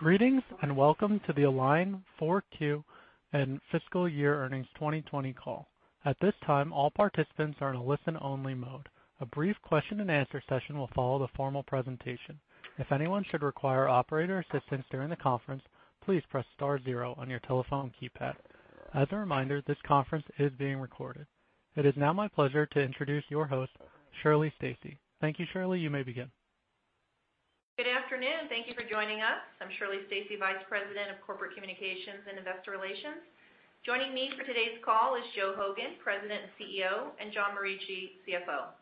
Greetings, and welcome to the Align 4Q and fiscal year earnings 2020 call. At this time, all participants are in a listen-only mode. A brief question and answer session will follow the formal presentation. If anyone should require operator assistance during the conference, please press star zero on your telephone keypad. As a reminder, this conference is being recorded. It is now my pleasure to introduce your host, Shirley Stacy. Thank you, Shirley. You may begin. Good afternoon. Thank you for joining us. I'm Shirley Stacy, Vice President of Corporate Communications and Investor Relations. Joining me for today's call is Joe Hogan, President and Chief Executive Officer, and John Morici, Chief Financial Officer.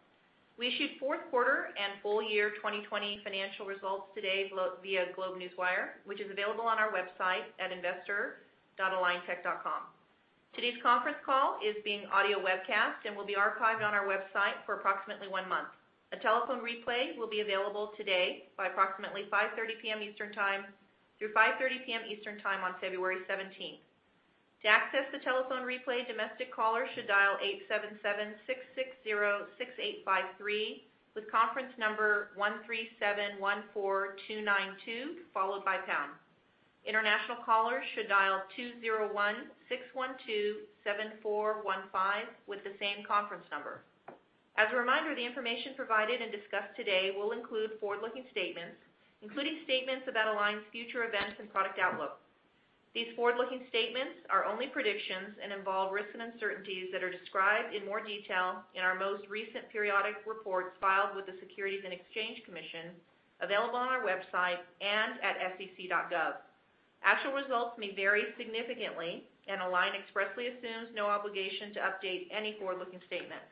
We issued fourth quarter and full year 2020 financial results today via GlobeNewswire, which is available on our website at investor.aligntech.com. Today's conference call is being audio webcast and will be archived on our website for approximately one month. A telephone replay will be available today by approximately 5:30 P.M. Eastern Time through 5:30 P.M. Eastern Time on February 17th. To access the telephone replay, domestic callers should dial 877-660-6853 with conference number 13714292, followed by pound. International callers should dial 2016127415 with the same conference number. As a reminder, the information provided and discussed today will include forward-looking statements, including statements about Align's future events and product outlook. These forward-looking statements are only predictions and involve risks and uncertainties that are described in more detail in our most recent periodic reports filed with the Securities and Exchange Commission, available on our website and at sec.gov. Align expressly assumes no obligation to update any forward-looking statement.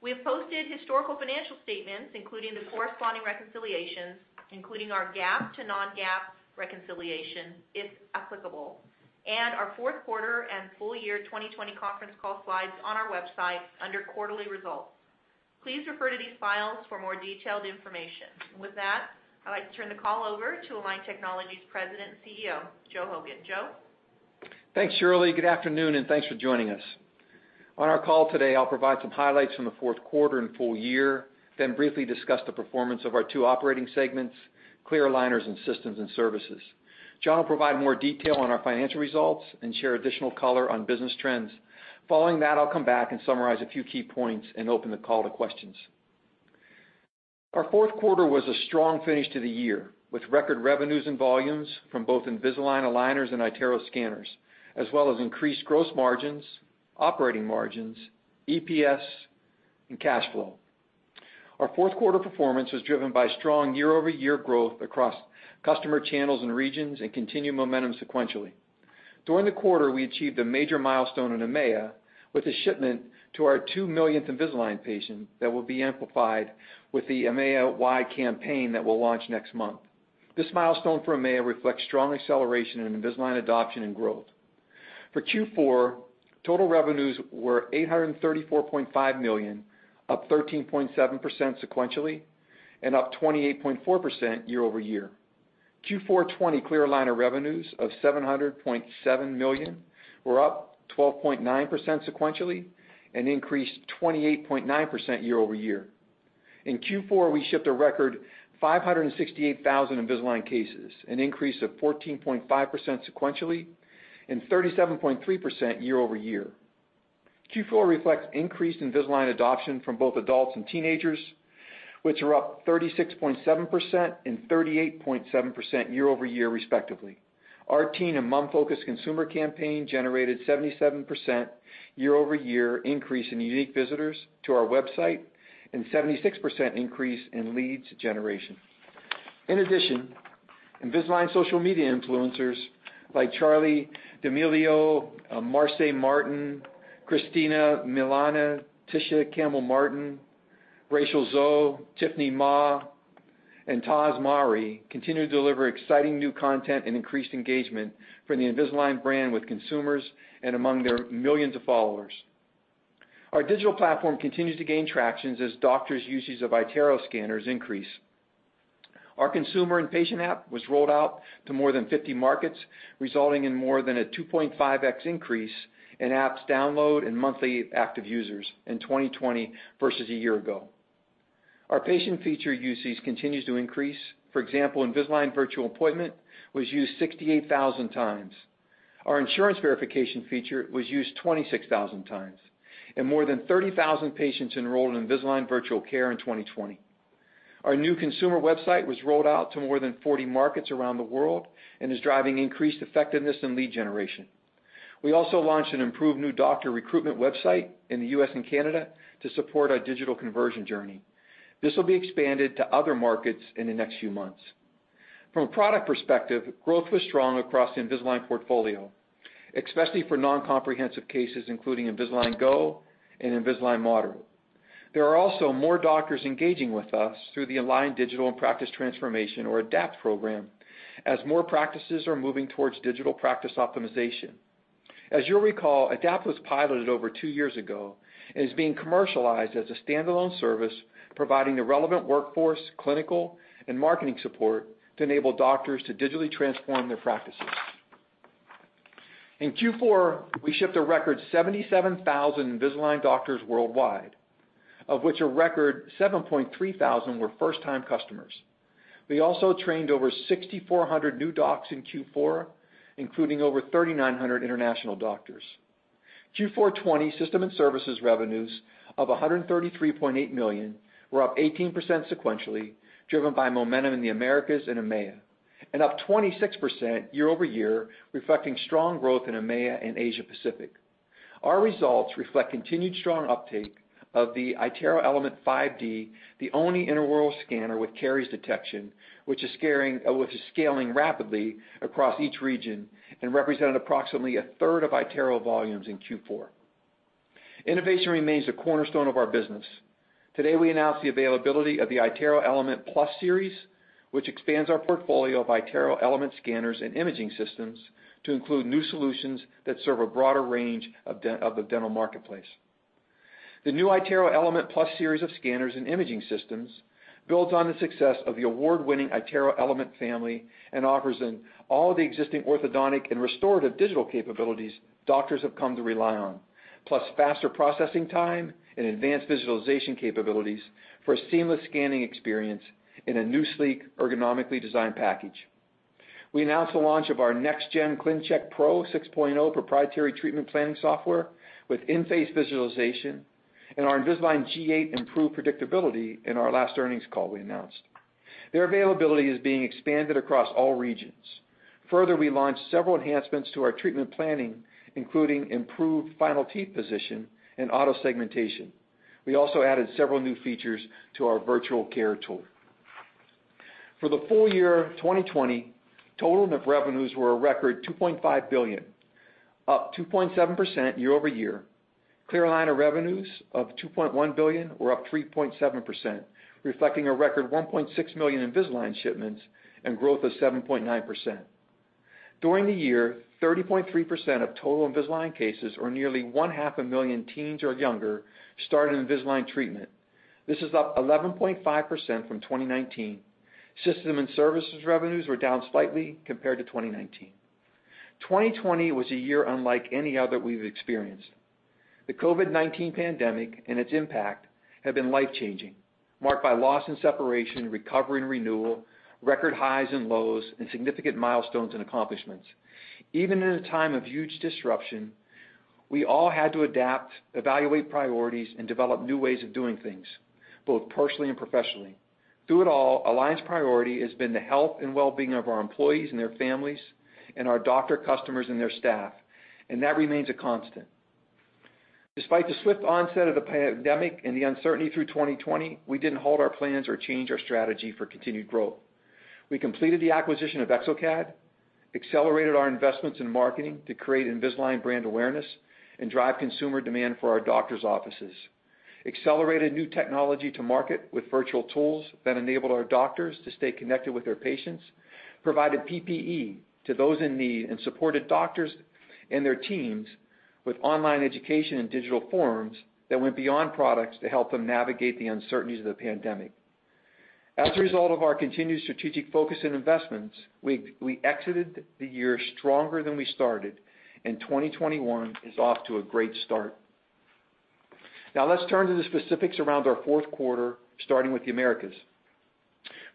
We have posted historical financial statements, including the corresponding reconciliations, including our GAAP to non-GAAP reconciliation, if applicable, and our fourth quarter and full year 2020 conference call slides on our website under quarterly results. Please refer to these files for more detailed information. With that, I'd like to turn the call over to Align Technology's President and CEO, Joe Hogan. Joe? Thanks, Shirley. Good afternoon, and thanks for joining us. On our call today, I'll provide some highlights from the fourth quarter and full year, then briefly discuss the performance of our two operating segments, clear aligners and systems and services. John will provide more detail on our financial results and share additional color on business trends. Following that, I'll come back and summarize a few key points and open the call to questions. Our fourth quarter was a strong finish to the year, with record revenues and volumes from both Invisalign aligners and iTero scanners, as well as increased gross margins, operating margins, EPS, and cash flow. Our fourth quarter performance was driven by strong year-over-year growth across customer channels and regions and continued momentum sequentially. During the quarter, we achieved a major milestone in EMEA with a shipment to our 2 millionth Invisalign patient that will be amplified with the EMEA-wide campaign that we'll launch next month. This milestone for EMEA reflects strong acceleration in Invisalign adoption and growth. For Q4, total revenues were $834.5 million, up 13.7% sequentially and up 28.4% year-over-year. Q4 20 clear aligner revenues of $700.7 million were up 12.9% sequentially and increased 28.9% year-over-year. In Q4, we shipped a record 568,000 Invisalign cases, an increase of 14.5% sequentially and 37.3% year-over-year. Q4 reflects increased Invisalign adoption from both adults and teenagers, which are up 36.7% and 38.7% year-over-year respectively. Our teen and mom-focused consumer campaign generated 77% year-over-year increase in unique visitors to our website and 76% increase in leads generation. In addition, Invisalign social media influencers like Charli D'Amelio, Marsai Martin, Christina Milian, Tisha Campbell-Martin, Rachel Zoe, Tiffany Ma, and Tahj Mowry continue to deliver exciting new content and increased engagement for the Invisalign brand with consumers and among their millions of followers. Our digital platform continues to gain traction as doctors' usage of iTero scanners increase. Our consumer and patient app was rolled out to more than 50 markets, resulting in more than a 2.5x increase in apps download and monthly active users in 2020 versus a year ago. Our patient feature usage continues to increase. For example, Invisalign Virtual Appointment was used 68,000x. Our insurance verification feature was used 26,000x, and more than 30,000 patients enrolled in Invisalign Virtual Care in 2020. Our new consumer website was rolled out to more than 40 markets around the world and is driving increased effectiveness in lead generation. We also launched an improved new doctor recruitment website in the U.S. and Canada to support our digital conversion journey. This will be expanded to other markets in the next few months. From a product perspective, growth was strong across the Invisalign portfolio, especially for non-comprehensive cases, including Invisalign Go and Invisalign Moderate. There are also more doctors engaging with us through the Align Digital and Practice Transformation, or ADAPT program, as more practices are moving towards digital practice optimization. As you'll recall, ADAPT was piloted over two years ago and is being commercialized as a standalone service, providing the relevant workforce, clinical, and marketing support to enable doctors to digitally transform their practices. In Q4, we shipped a record 77,000 Invisalign doctors worldwide, of which a record 7,300 were first-time customers. We also trained over 6,400 new docs in Q4, including over 3,900 international doctors. Q4 2020 system and services revenues of $133.8 million were up 18% sequentially, driven by momentum in the Americas and EMEA, and up 26% year-over-year, reflecting strong growth in EMEA and Asia Pacific. Our results reflect continued strong uptake of the iTero Element 5D, the only intraoral scanner with caries detection, which is scaling rapidly across each region and represented approximately a third of iTero volumes in Q4. Innovation remains a cornerstone of our business. Today, we announced the availability of the iTero Element Plus Series, which expands our portfolio of iTero Element scanners and imaging systems to include new solutions that serve a broader range of the dental marketplace. The new iTero Element Plus Series of scanners and imaging systems builds on the success of the award-winning iTero Element family and offers all the existing orthodontic and restorative digital capabilities doctors have come to rely on. Plus faster processing time and advanced visualization capabilities for a seamless scanning experience in a new, sleek, ergonomically designed package. We announced the launch of our next-gen ClinCheck Pro 6.0 proprietary treatment planning software with In-Face Visualization and our Invisalign G8 improved predictability in our last earnings call. Their availability is being expanded across all regions. Further, we launched several enhancements to our treatment planning, including improved final teeth position and auto segmentation. We also added several new features to our virtual care tool. For the full year 2020, total net revenues were a record $2.5 billion, up 2.7% year-over-year. Clear aligner revenues of $2.1 billion were up 3.7%, reflecting a record 1.6 million Invisalign shipments and growth of 7.9%. During the year, 30.3% of total Invisalign cases, or nearly 0.5 million teens or younger, started Invisalign treatment. This is up 11.5% from 2019. System and services revenues were down slightly compared to 2019. 2020 was a year unlike any other we've experienced. The COVID-19 pandemic and its impact have been life changing, marked by loss and separation, recovery and renewal, record highs and lows, and significant milestones and accomplishments. Even in a time of huge disruption, we all had to adapt, evaluate priorities, and develop new ways of doing things, both personally and professionally. Through it all, Align's priority has been the health and well-being of our employees and their families and our doctor customers and their staff, and that remains a constant. Despite the swift onset of the pandemic and the uncertainty through 2020, we didn't halt our plans or change our strategy for continued growth. We completed the acquisition of exocad, accelerated our investments in marketing to create Invisalign brand awareness and drive consumer demand for our doctors' offices, accelerated new technology to market with virtual tools that enabled our doctors to stay connected with their patients, provided personal protective equipment to those in need, and supported doctors and their teams with online education and digital forums that went beyond products to help them navigate the uncertainties of the pandemic. As a result of our continued strategic focus and investments, we exited the year stronger than we started. 2021 is off to a great start. Now let's turn to the specifics around our fourth quarter, starting with the Americas.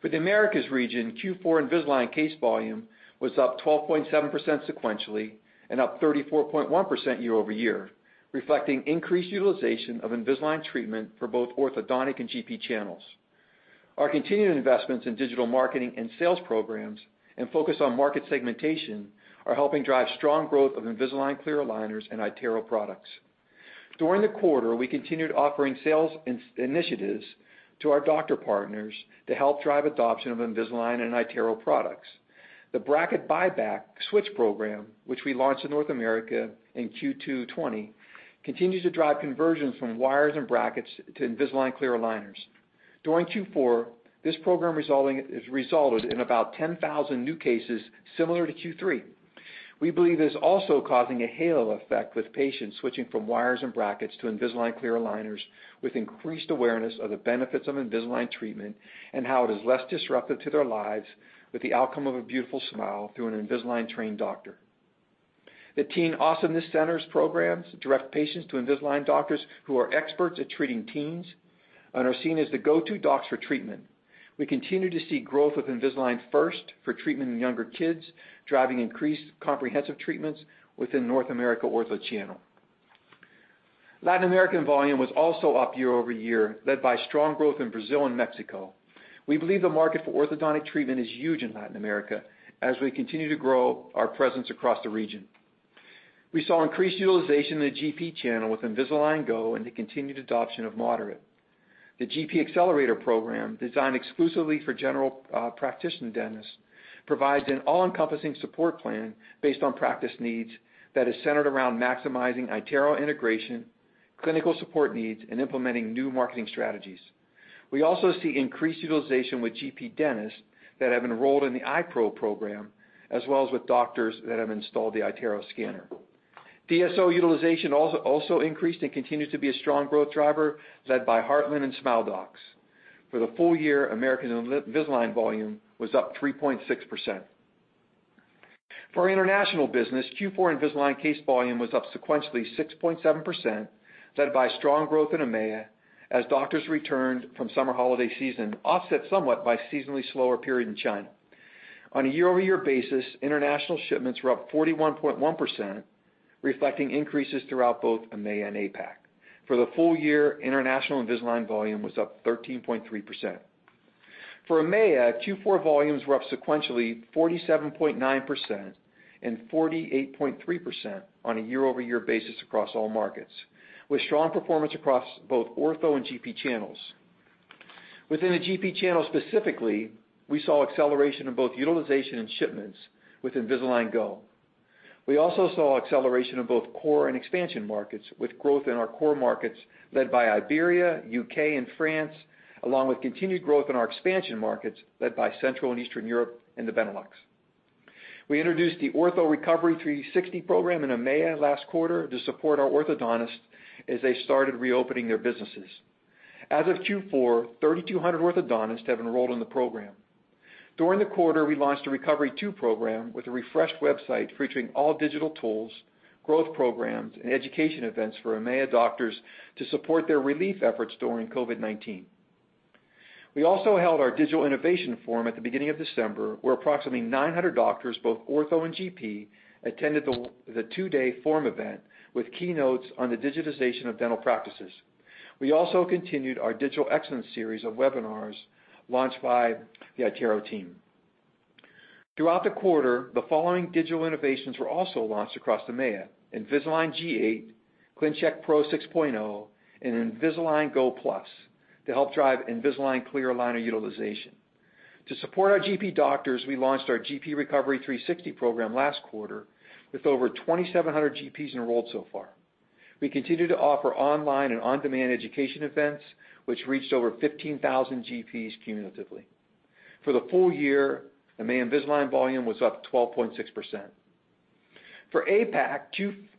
For the Americas region, Q4 Invisalign case volume was up 12.7% sequentially and up 34.1% year-over-year, reflecting increased utilization of Invisalign treatment for both orthodontic and general practitioner channels. Our continued investments in digital marketing and sales programs and focus on market segmentation are helping drive strong growth of Invisalign clear aligners and iTero products. During the quarter, we continued offering sales initiatives to our doctor partners to help drive adoption of Invisalign and iTero products. The Bracket Buyback Switch program, which we launched in North America in Q2 2020, continues to drive conversions from wires and brackets to Invisalign clear aligners. During Q4, this program resulted in about 10,000 new cases similar to Q3. We believe it is also causing a halo effect with patients switching from wires and brackets to Invisalign clear aligners with increased awareness of the benefits of Invisalign treatment and how it is less disruptive to their lives, with the outcome of a beautiful smile through an Invisalign-trained doctor. The Teen Awesomeness Centers programs direct patients to Invisalign doctors who are experts at treating teens and are seen as the go-to docs for treatment. We continue to see growth of Invisalign First for treatment in younger kids, driving increased comprehensive treatments within North America ortho channel. Latin American volume was also up year-over-year, led by strong growth in Brazil and Mexico. We believe the market for orthodontic treatment is huge in Latin America, as we continue to grow our presence across the region. We saw increased utilization in the GP channel with Invisalign Go and the continued adoption of Moderate. The GP Accelerator program, designed exclusively for general practitioner dentists, provides an all-encompassing support plan based on practice needs that is centered around maximizing iTero integration, clinical support needs, and implementing new marketing strategies. We also see increased utilization with GP dentists that have enrolled in the iPro program, as well as with doctors that have installed the iTero scanner. Dental service organization utilization also increased and continues to be a strong growth driver, led by Heartland and Smile Doctors. For the full year, American Invisalign volume was up 3.6%. For our international business, Q4 Invisalign case volume was up sequentially 6.7%, led by strong growth in EMEA as doctors returned from summer holiday season, offset somewhat by seasonally slower period in China. On a year-over-year basis, international shipments were up 41.1%, reflecting increases throughout both EMEA and APAC. For the full year, international Invisalign volume was up 13.3%. For EMEA, Q4 volumes were up sequentially 47.9% and 48.3% on a year-over-year basis across all markets, with strong performance across both ortho and GP channels. Within the GP channel specifically, we saw acceleration of both utilization and shipments with Invisalign Go. We also saw acceleration of both core and expansion markets, with growth in our core markets led by Iberia, U.K., and France, along with continued growth in our expansion markets led by Central and Eastern Europe and the Benelux. We introduced the Ortho Recovery 360 program in EMEA last quarter to support our orthodontists as they started reopening their businesses. As of Q4, 3,200 orthodontists have enrolled in the program. During the quarter, we launched a Recovery II Program with a refreshed website featuring all digital tools, growth programs, and education events for EMEA doctors to support their relief efforts during COVID-19. We also held our digital innovation forum at the beginning of December, where approximately 900 doctors, both orthodontic and GP, attended the two-day forum event with keynotes on the digitization of dental practices. We also continued our digital excellence series of webinars launched by the iTero team. Throughout the quarter, the following digital innovations were also launched across EMEA, Invisalign G8, ClinCheck Pro 6.0, and Invisalign Go Plus to help drive Invisalign clear aligner utilization. To support our GP doctors, we launched our GP Recovery 360 program last quarter with over 2,700 GPs enrolled so far. We continue to offer online and on-demand education events, which reached over 15,000 GPs cumulatively. For the full year, EMEA Invisalign volume was up 12.6%. For APAC,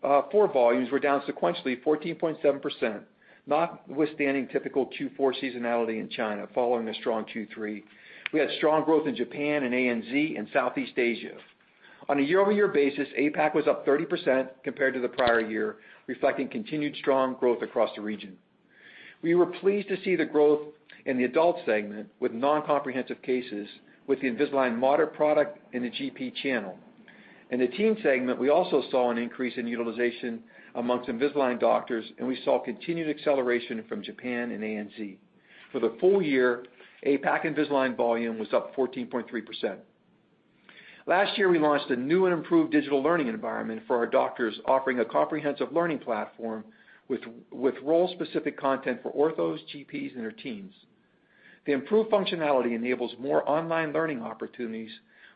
Q4 volumes were down sequentially 14.7%, notwithstanding typical Q4 seasonality in China following a strong Q3. We had strong growth in Japan and ANZ and Southeast Asia. On a year-over-year basis, APAC was up 30% compared to the prior year, reflecting continued strong growth across the region. We were pleased to see the growth in the adult segment with non-comprehensive cases with the Invisalign Moderate product in the GP channel. In the teen segment, we also saw an increase in utilization amongst Invisalign doctors, and we saw continued acceleration from Japan and ANZ. For the full year, APAC Invisalign volume was up 14.3%. Last year, we launched a new and improved digital learning environment for our doctors, offering a comprehensive learning platform with role-specific content for orthodontics, GPs, and their teens. The improved functionality enables more online learning opportunities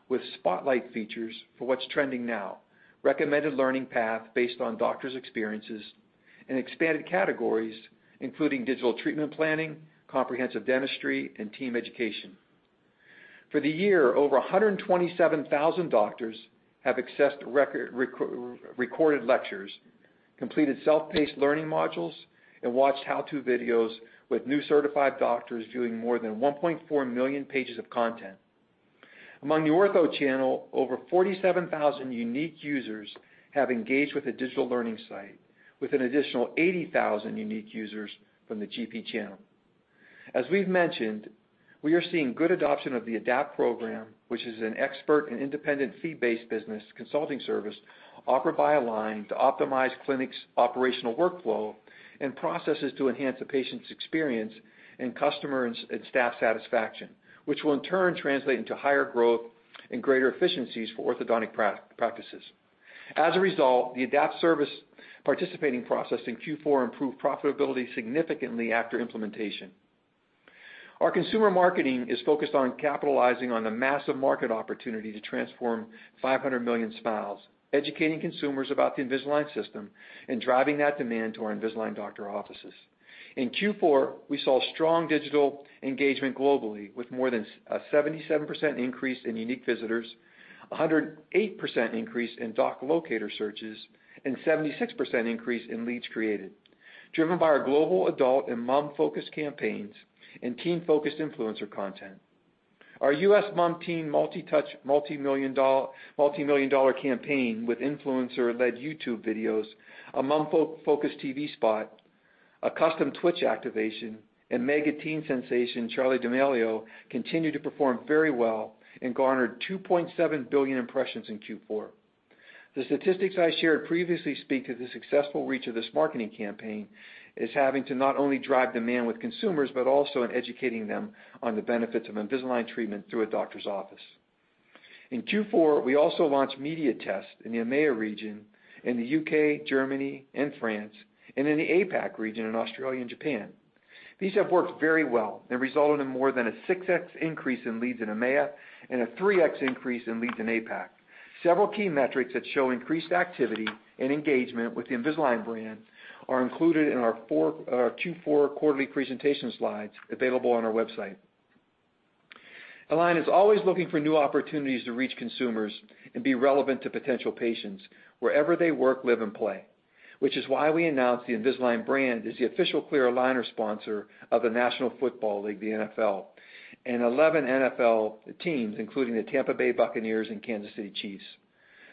with spotlight features for what's trending now, recommended learning path based on doctors' experiences, and expanded categories, including digital treatment planning, comprehensive dentistry, and team education. For the year, over 127,000 doctors have accessed recorded lectures, completed self-paced learning modules, and watched how-to videos, with new certified doctors viewing more than 1.4 million pages of content. Among the orthodontic channel, over 47,000 unique users have engaged with the digital learning site, with an additional 80,000 unique users from the GP channel. As we've mentioned, we are seeing good adoption of the ADAPT program, which is an expert and independent fee-based business consulting service offered by Align to optimize clinics' operational workflow and processes to enhance the patient's experience and customer and staff satisfaction, which will in turn translate into higher growth and greater efficiencies for orthodontic practices. As a result, the ADAPT service participating practices in Q4 improved profitability significantly after implementation. Our consumer marketing is focused on capitalizing on the massive market opportunity to transform 500 million smiles, educating consumers about the Invisalign system, and driving that demand to our Invisalign doctor offices. In Q4, we saw strong digital engagement globally, with more than a 77% increase in unique visitors, 108% increase in doc locator searches, and 76% increase in leads created, driven by our global adult and mom-focused campaigns and teen-focused influencer content. Our U.S. MomTeen multimillion-dollar campaign with influencer-led YouTube videos, a mom-focused TV spot, a custom Twitch activation, and mega teen sensation Charli D'Amelio continued to perform very well and garnered 2.7 billion impressions in Q4. The statistics I shared previously speak to the successful reach of this marketing campaign as having to not only drive demand with consumers, but also in educating them on the benefits of Invisalign treatment through a doctor's office. In Q4, we also launched media tests in the EMEA region, in the U.K., Germany, and France, and in the APAC region in Australia and Japan. These have worked very well and resulted in more than a 6x increase in leads in EMEA and a 3x increase in leads in APAC. Several key metrics that show increased activity and engagement with the Invisalign brand are included in our Q4 quarterly presentation slides available on our website. Align is always looking for new opportunities to reach consumers and be relevant to potential patients wherever they work, live, and play, which is why we announced the Invisalign brand is the official clear aligner sponsor of the National Football League, the NFL, and 11 NFL teams, including the Tampa Bay Buccaneers and Kansas City Chiefs.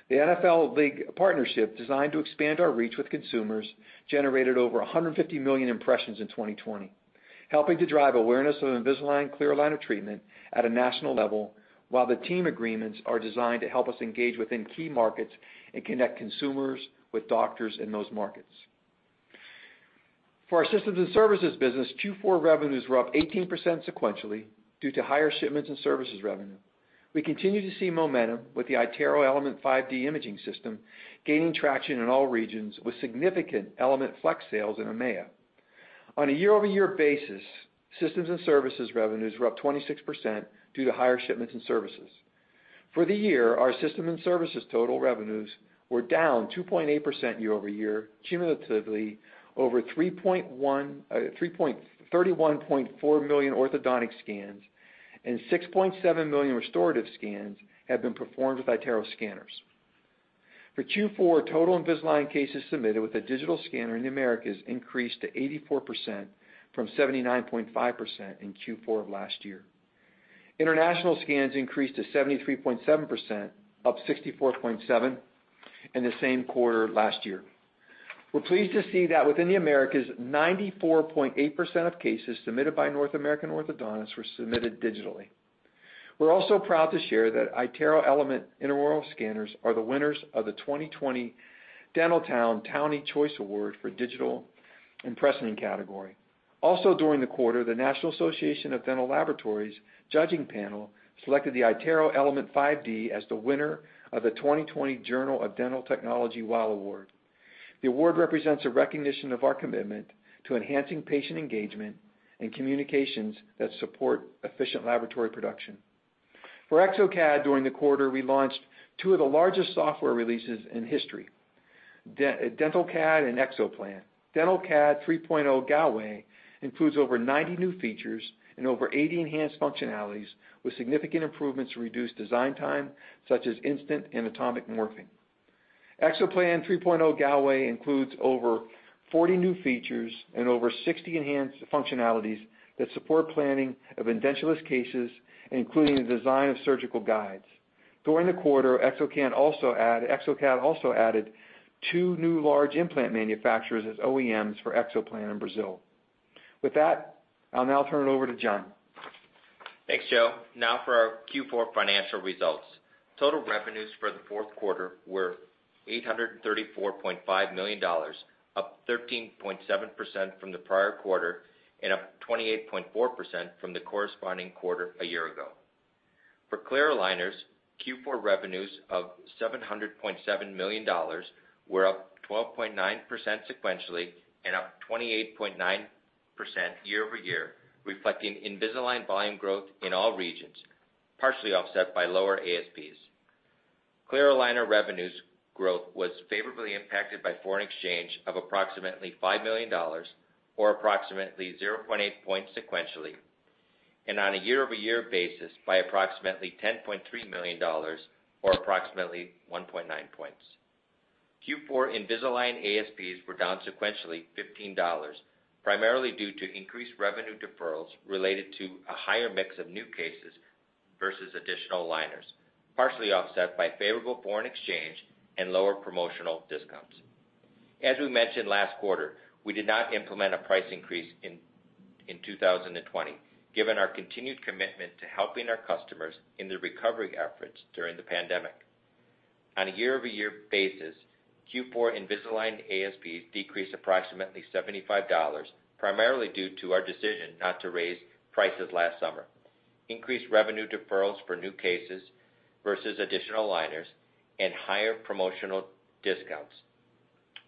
The NFL league partnership, designed to expand our reach with consumers, generated over 150 million impressions in 2020, helping to drive awareness of Invisalign clear aligner treatment at a national level, while the team agreements are designed to help us engage within key markets and connect consumers with doctors in those markets. For our systems and services business, Q4 revenues were up 18% sequentially due to higher shipments and services revenue. We continue to see momentum with the iTero Element 5D imaging system gaining traction in all regions with significant Element Flex sales in EMEA. On a year-over-year basis, systems and services revenues were up 26% due to higher shipments and services. For the year, our system and services total revenues were down 2.8% year-over-year. Cumulatively, over 31.4 million orthodontic scans and 6.7 million restorative scans have been performed with iTero scanners. For Q4, total Invisalign cases submitted with a digital scanner in the Americas increased to 84% from 79.5% in Q4 of last year. International scans increased to 73.7%, up 64.7% in the same quarter last year. We're pleased to see that within the Americas, 94.8% of cases submitted by North American orthodontists were submitted digitally. We're also proud to share that iTero Element intraoral scanners are the winners of the 2020 Dentaltown Townie Choice Award for digital impression category. Also during the quarter, the National Association of Dental Laboratories judging panel selected the iTero Element 5D as the winner of the 2020 Journal of Dental Technology WOW! Award. The award represents a recognition of our commitment to enhancing patient engagement and communications that support efficient laboratory production. For exocad during the quarter, we launched two of the largest software releases in history, DentalCAD and exoplan. DentalCAD 3.0 Galway includes over 90 new features and over 80 enhanced functionalities with significant improvements to reduce design time, such as instant and anatomic morphing. exoplan 3.0 Galway includes over 40 new features and over 60 enhanced functionalities that support planning of edentulous cases, including the design of surgical guides. During the quarter, exocad also added two new large implant manufacturers as original equipment manufacturers for exoplan in Brazil. With that, I'll now turn it over to John Morici. Thanks, Joe. Now for our Q4 financial results. Total revenues for the fourth quarter were $834.5 million, up 13.7% from the prior quarter and up 28.4% from the corresponding quarter a year ago. For clear aligners, Q4 revenues of $700.7 million were up 12.9% sequentially and up 28.9% year-over-year, reflecting Invisalign volume growth in all regions, partially offset by lower average selling prices. Clear aligner revenues growth was favorably impacted by foreign exchange of approximately $5 million or approximately 0.8 points sequentially, and on a year-over-year basis by approximately $10.3 million or approximately 1.9 points. Q4 Invisalign ASPs were down sequentially $15, primarily due to increased revenue deferrals related to a higher mix of new cases versus additional aligners, partially offset by favorable foreign exchange and lower promotional discounts. As we mentioned last quarter, we did not implement a price increase in 2020, given our continued commitment to helping our customers in their recovery efforts during the pandemic. On a year-over-year basis, Q4 Invisalign ASPs decreased approximately $75, primarily due to our decision not to raise prices last summer, increased revenue deferrals for new cases versus additional aligners, and higher promotional discounts,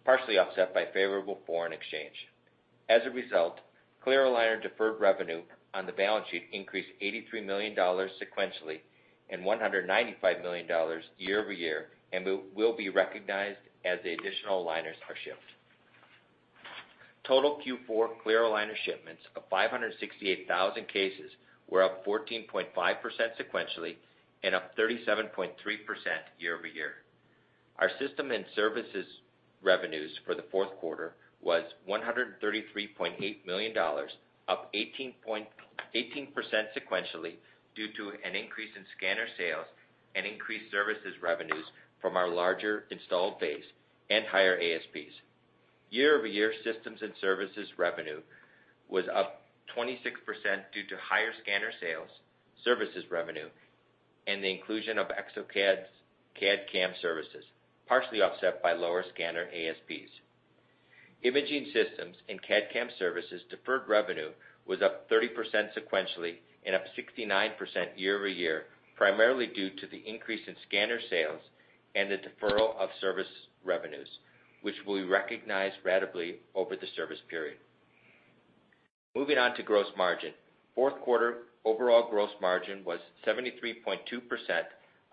partially offset by favorable foreign exchange. As a result, clear aligner deferred revenue on the balance sheet increased $83 million sequentially and $195 million year-over-year and will be recognized as the additional aligners are shipped. Total Q4 clear aligner shipments of 568,000 cases were up 14.5% sequentially and up 37.3% year-over-year. Our system and services revenues for the fourth quarter was $133.8 million, up 18% sequentially due to an increase in scanner sales and increased services revenues from our larger installed base and higher ASPs. Year-over-year systems and services revenue was up 26% due to higher scanner sales, services revenue, and the inclusion of exocad's computer-aided design and computer-aided manufacturing services, partially offset by lower scanner ASPs. Imaging systems and CAD/CAM services deferred revenue was up 30% sequentially and up 69% year-over-year, primarily due to the increase in scanner sales and the deferral of service revenues, which we recognize ratably over the service period. Moving on to gross margin. Fourth quarter overall gross margin was 73.2%,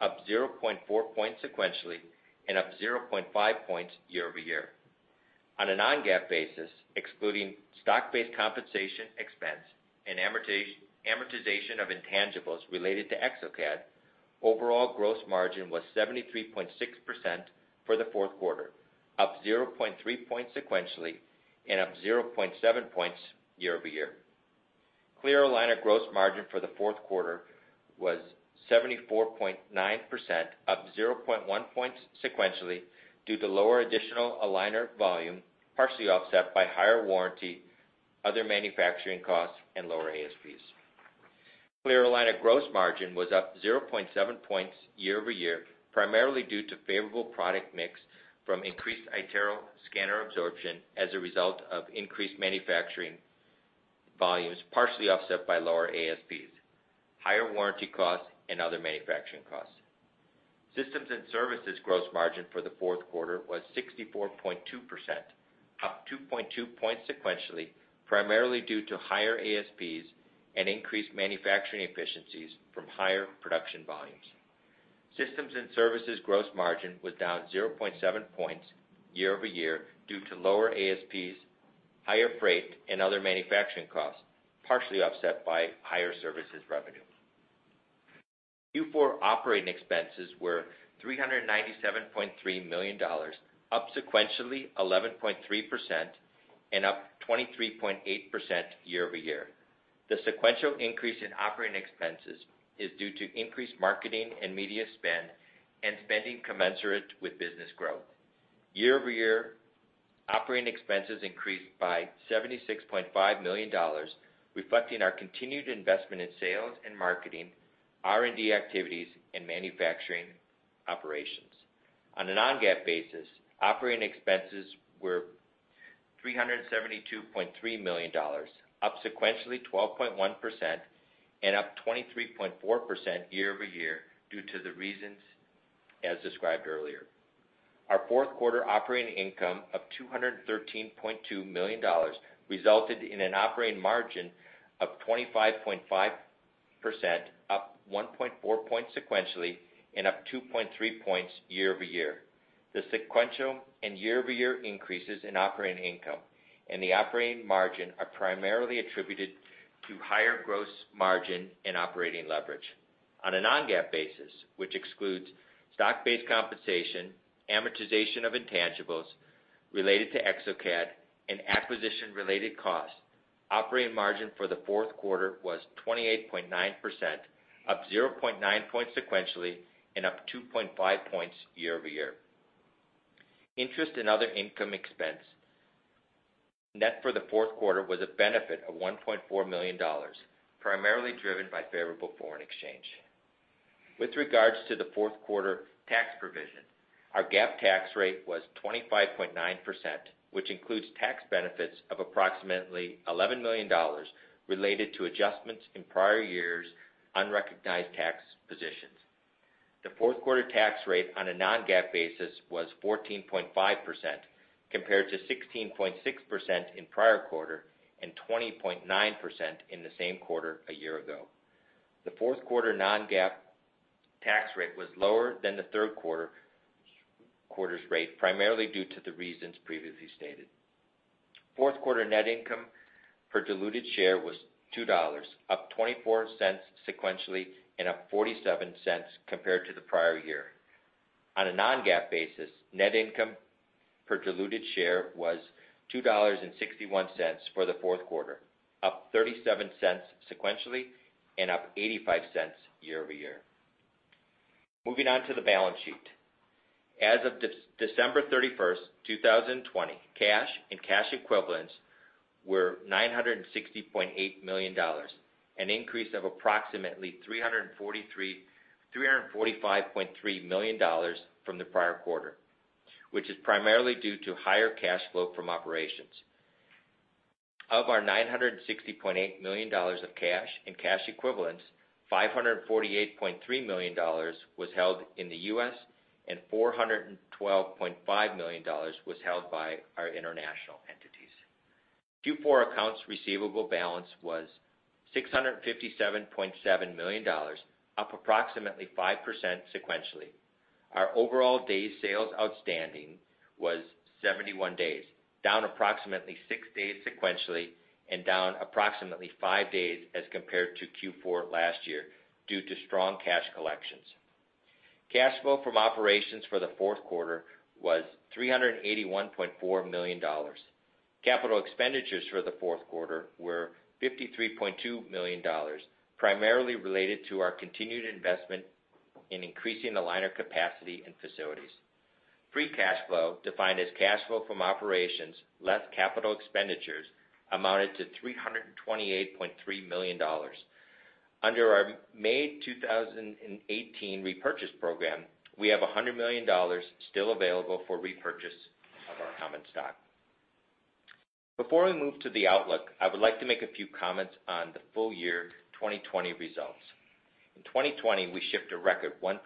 up 0.4 point sequentially and up 0.5 point year-over-year. On a non-GAAP basis, excluding stock-based compensation expense and amortization of intangibles related to exocad, overall gross margin was 73.6% for the fourth quarter, up 0.3 point sequentially and up 0.7 point year-over-year. Clear aligner gross margin for the fourth quarter was 74.9%, up 0.1 point sequentially due to lower additional aligner volume, partially offset by higher warranty, other manufacturing costs, and lower ASPs. Clear aligner gross margin was up 0.7 point year-over-year, primarily due to favorable product mix from increased iTero scanner absorption as a result of increased manufacturing volumes, partially offset by lower ASPs, higher warranty costs, and other manufacturing costs. Systems and services gross margin for the fourth quarter was 64.2%, up 2.2 points sequentially, primarily due to higher ASPs and increased manufacturing efficiencies from higher production volumes. Systems and services gross margin was down 0.7 point year-over-year due to lower ASPs, higher freight, and other manufacturing costs, partially offset by higher services revenue. Q4 operating expenses were $397.3 million, up sequentially 11.3% and up 23.8% year-over-year. The sequential increase in operating expenses is due to increased marketing and media spend and spending commensurate with business growth. Year-over-year, operating expenses increased by $76.5 million, reflecting our continued investment in sales and marketing, R&D activities, and manufacturing operations. On a non-GAAP basis, operating expenses were $372.3 million, up sequentially 12.1% and up 23.4% year-over-year due to the reasons as described earlier. Our fourth quarter operating income of $213.2 million resulted in an operating margin of 25.5%, up 1.4 points sequentially and up 2.3 points year-over-year. The sequential and year-over-year increases in operating income and the operating margin are primarily attributed to higher gross margin and operating leverage. On a non-GAAP basis, which excludes stock-based compensation, amortization of intangibles related to exocad, and acquisition-related costs, operating margin for the fourth quarter was 28.9%, up 0.9 point sequentially and up 2.5 points year over year. Interest in other income expense net for the fourth quarter was a benefit of $1.4 million, primarily driven by favorable foreign exchange. With regards to the fourth quarter tax provision, our GAAP tax rate was 25.9%, which includes tax benefits of approximately $11 million related to adjustments in prior years' unrecognized tax positions. The fourth quarter tax rate on a non-GAAP basis was 14.5%, compared to 16.6% in prior quarter and 20.9% in the same quarter a year ago. The fourth quarter non-GAAP tax rate was lower than the third quarter's rate, primarily due to the reasons previously stated. Fourth quarter net income per diluted share was $2, up $0.24 sequentially and up $0.47 compared to the prior year. On a non-GAAP basis, net income per diluted share was $2.61 for the fourth quarter, up $0.37 sequentially and up $0.85 year-over-year. Moving on to the balance sheet. As of December 31st, 2020, cash and cash equivalents were $960.8 million, an increase of approximately $345.3 million from the prior quarter, which is primarily due to higher cash flow from operations. Of our $960.8 million of cash and cash equivalents, $548.3 million was held in the U.S., and $412.5 million was held by our international entities. Q4 accounts receivable balance was $657.7 million, up approximately 5% sequentially. Our overall days sales outstanding was 71 days, down approximately six days sequentially and down approximately five days as compared to Q4 last year due to strong cash collections. Cash flow from operations for the fourth quarter was $381.4 million. Capital expenditures for the fourth quarter were $53.2 million, primarily related to our continued investment in increasing aligner capacity and facilities. Free cash flow, defined as cash flow from operations less capital expenditures, amounted to $328.3 million. Under our May 2018 repurchase program, we have $100 million still available for repurchase of our common stock. Before we move to the outlook, I would like to make a few comments on the full year 2020 results. In 2020, we shipped a record 1.6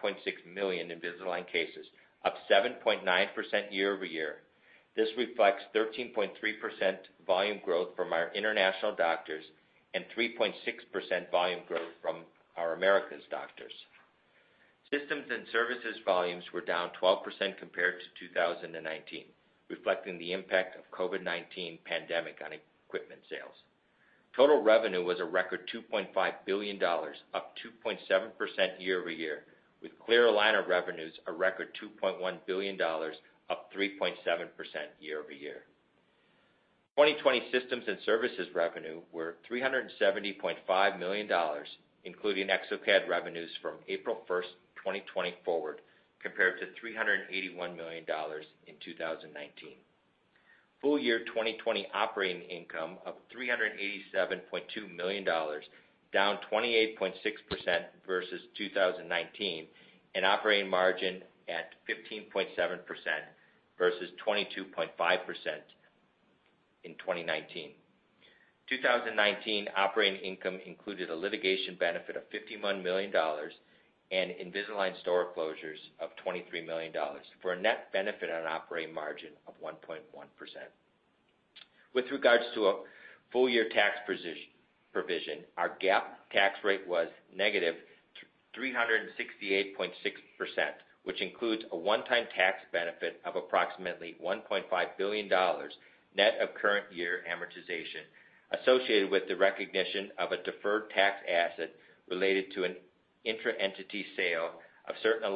million Invisalign cases, up 7.9% year-over-year. This reflects 13.3% volume growth from our international doctors and 3.6% volume growth from our Americas doctors. Systems and services volumes were down 12% compared to 2019, reflecting the impact of COVID-19 pandemic on equipment sales. Total revenue was a record $2.5 billion, up 2.7% year-over-year, with clear aligner revenues a record $2.1 billion, up 3.7% year-over-year. 2020 systems and services revenue were $370.5 million, including exocad revenues from April 1st, 2020 forward, compared to $381 million in 2019. Full year 2020 operating income of $387.2 million, down 28.6% versus 2019, operating margin at 15.7% versus 22.5% in 2019. 2019 operating income included a litigation benefit of $51 million and Invisalign Stores closures of $23 million, for a net benefit on operating margin of 1.1%. With regards to a full year tax provision, our GAAP tax rate was -368.6%, which includes a one-time tax benefit of approximately $1.5 billion, net of current year amortization, associated with the recognition of a deferred tax asset related to an intra-entity sale of certain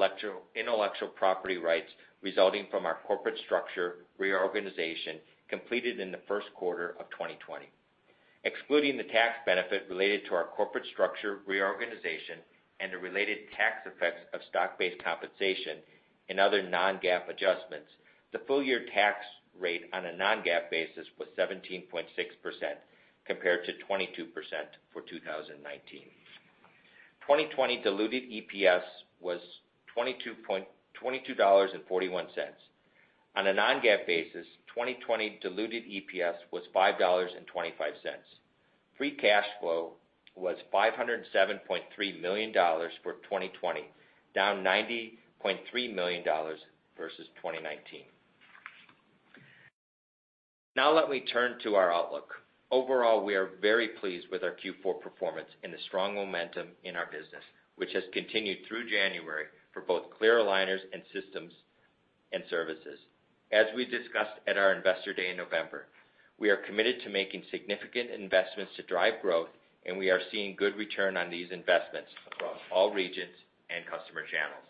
intellectual property rights resulting from our corporate structure reorganization completed in the first quarter of 2020. Excluding the tax benefit related to our corporate structure reorganization and the related tax effects of stock-based compensation and other non-GAAP adjustments, the full year tax rate on a non-GAAP basis was 17.6%, compared to 22% for 2019. 2020 diluted EPS was $22.41. On a non-GAAP basis, 2020 diluted EPS was $5.25. Free cash flow was $507.3 million for 2020, down $90.3 million versus 2019. Let me turn to our outlook. Overall, we are very pleased with our Q4 performance and the strong momentum in our business, which has continued through January for both clear aligners and systems and services. As we discussed at our Investor Day in November, we are committed to making significant investments to drive growth, and we are seeing good return on these investments across all regions and customer channels.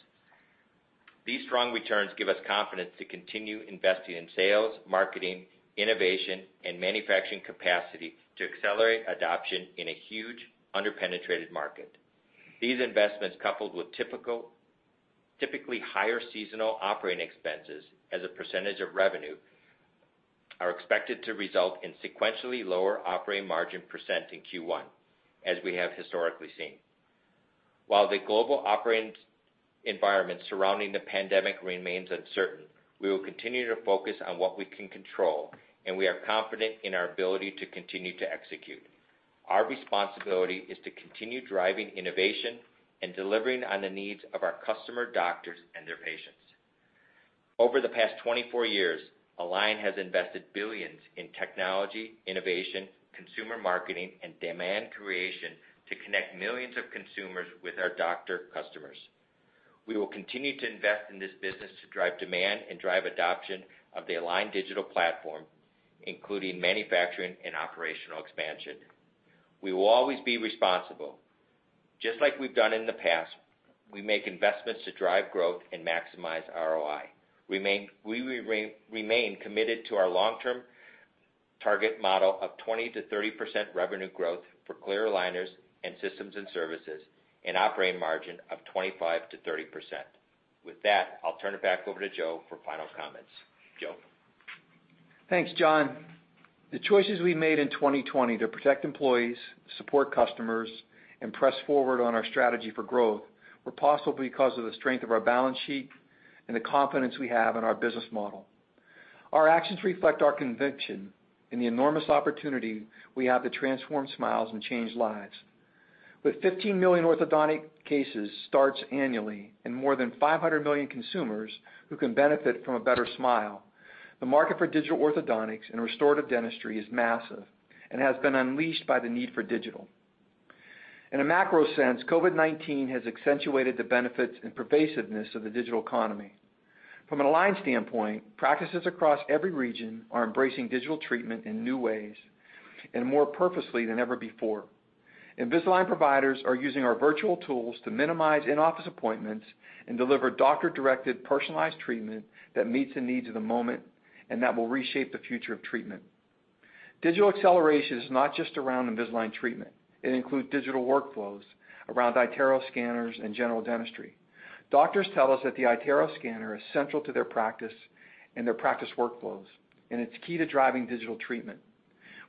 These strong returns give us confidence to continue investing in sales, marketing, innovation, and manufacturing capacity to accelerate adoption in a huge under-penetrated market. These investments, coupled with typically higher seasonal operating expenses as a percentage of revenue, are expected to result in sequentially lower operating margin percentage in Q1, as we have historically seen. While the global operating environment surrounding the COVID-19 pandemic remains uncertain, we will continue to focus on what we can control, and we are confident in our ability to continue to execute. Our responsibility is to continue driving innovation and delivering on the needs of our customer doctors and their patients. Over the past 24 years, Align has invested billions in technology, innovation, consumer marketing, and demand creation to connect millions of consumers with our doctor customers. We will continue to invest in this business to drive demand and drive adoption of the Align Digital Platform, including manufacturing and operational expansion. We will always be responsible. Just like we've done in the past, we make investments to drive growth and maximize ROI. We remain committed to our long-term target model of 20%-30% revenue growth for clear aligners and systems and services, and operating margin of 25%-30%. With that, I'll turn it back over to Joe for final comments. Joe? Thanks, John. The choices we made in 2020 to protect employees, support customers, and press forward on our strategy for growth, were possible because of the strength of our balance sheet and the confidence we have in our business model. Our actions reflect our conviction in the enormous opportunity we have to transform smiles and change lives. With 15 million orthodontic cases starts annually, and more than 500 million consumers who can benefit from a better smile, the market for digital orthodontics and restorative dentistry is massive and has been unleashed by the need for digital. In a macro sense, COVID-19 has accentuated the benefits and pervasiveness of the digital economy. From an Align standpoint, practices across every region are embracing digital treatment in new ways and more purposely than ever before. Invisalign providers are using our virtual tools to minimize in-office appointments and deliver doctor-directed, personalized treatment that meets the needs of the moment, and that will reshape the future of treatment. Digital acceleration is not just around Invisalign treatment. It includes digital workflows around iTero scanners and general dentistry. Doctors tell us that the iTero scanner is central to their practice and their practice workflows, and it's key to driving digital treatment.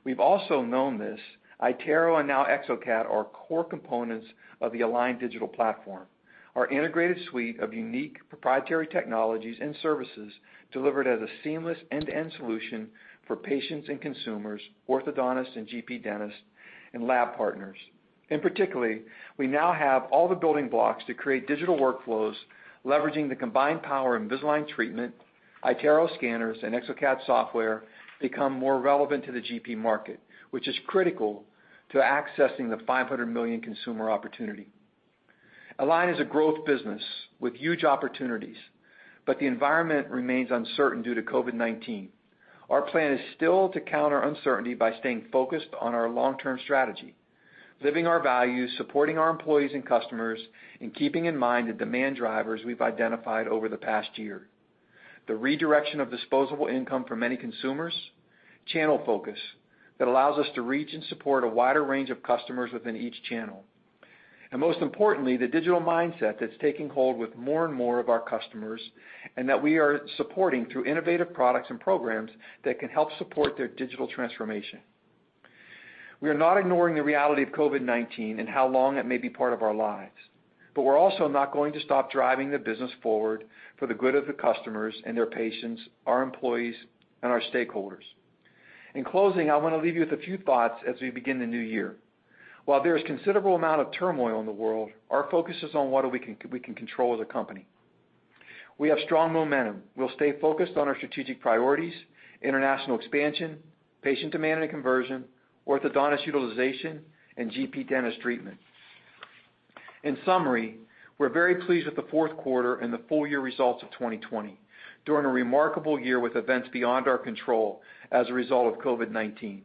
We've also known this, iTero and now exocad are core components of the Align Digital Platform, our integrated suite of unique proprietary technologies and services delivered as a seamless end-to-end solution for patients and consumers, orthodontists and GP dentists, and lab partners. In particular, we now have all the building blocks to create digital workflows. Leveraging the combined power Invisalign treatment, iTero scanners, and exocad software become more relevant to the GP market, which is critical to accessing the 500 million consumer opportunity. Align is a growth business with huge opportunities, but the environment remains uncertain due to COVID-19. Our plan is still to counter uncertainty by staying focused on our long-term strategy, living our values, supporting our employees and customers, and keeping in mind the demand drivers we've identified over the past year. The redirection of disposable income for many consumers, channel focus that allows us to reach and support a wider range of customers within each channel, and most importantly, the digital mindset that's taking hold with more and more of our customers, and that we are supporting through innovative products and programs that can help support their digital transformation. We are not ignoring the reality of COVID-19 and how long it may be part of our lives, but we're also not going to stop driving the business forward for the good of the customers and their patients, our employees, and our stakeholders. In closing, I want to leave you with a few thoughts as we begin the new year. While there is considerable amount of turmoil in the world, our focus is on what we can control as a company. We have strong momentum. We'll stay focused on our strategic priorities, international expansion, patient demand and conversion, orthodontist utilization, and GP dentist treatment. In summary, we're very pleased with the fourth quarter and the full year results of 2020, during a remarkable year with events beyond our control as a result of COVID-19.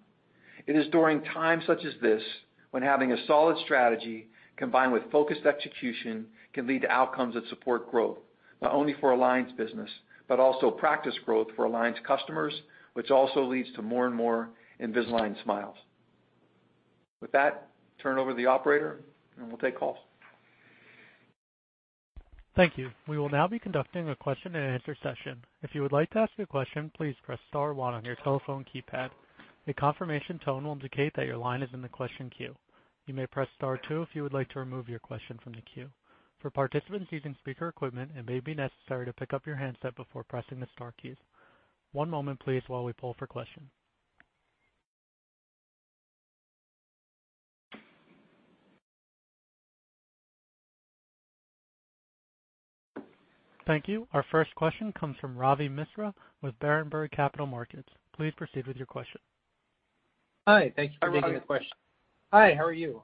It is during times such as this when having a solid strategy combined with focused execution can lead to outcomes that support growth, not only for Align's business, but also practice growth for Align's customers, which also leads to more and more Invisalign smiles. With that, turn it over the operator and we'll take calls. Thank you. We will now be conducting a question and answer session. If you would like to ask a question, please press star one on your telephone keypad. A confirmation tone will indicate that your line is in the question queue. You may press star two if you would like to remove your question from the queue. For participants using speaker equipment, it may be necessary to pick up your handset before pressing the star key. One moment, please, while we pull for questions. Thank you. Our first question comes from Ravi Misra with Berenberg Capital Markets. Please proceed with your question. Hi. Thank you for taking the question. Hi, Ravi. Hi, how are you?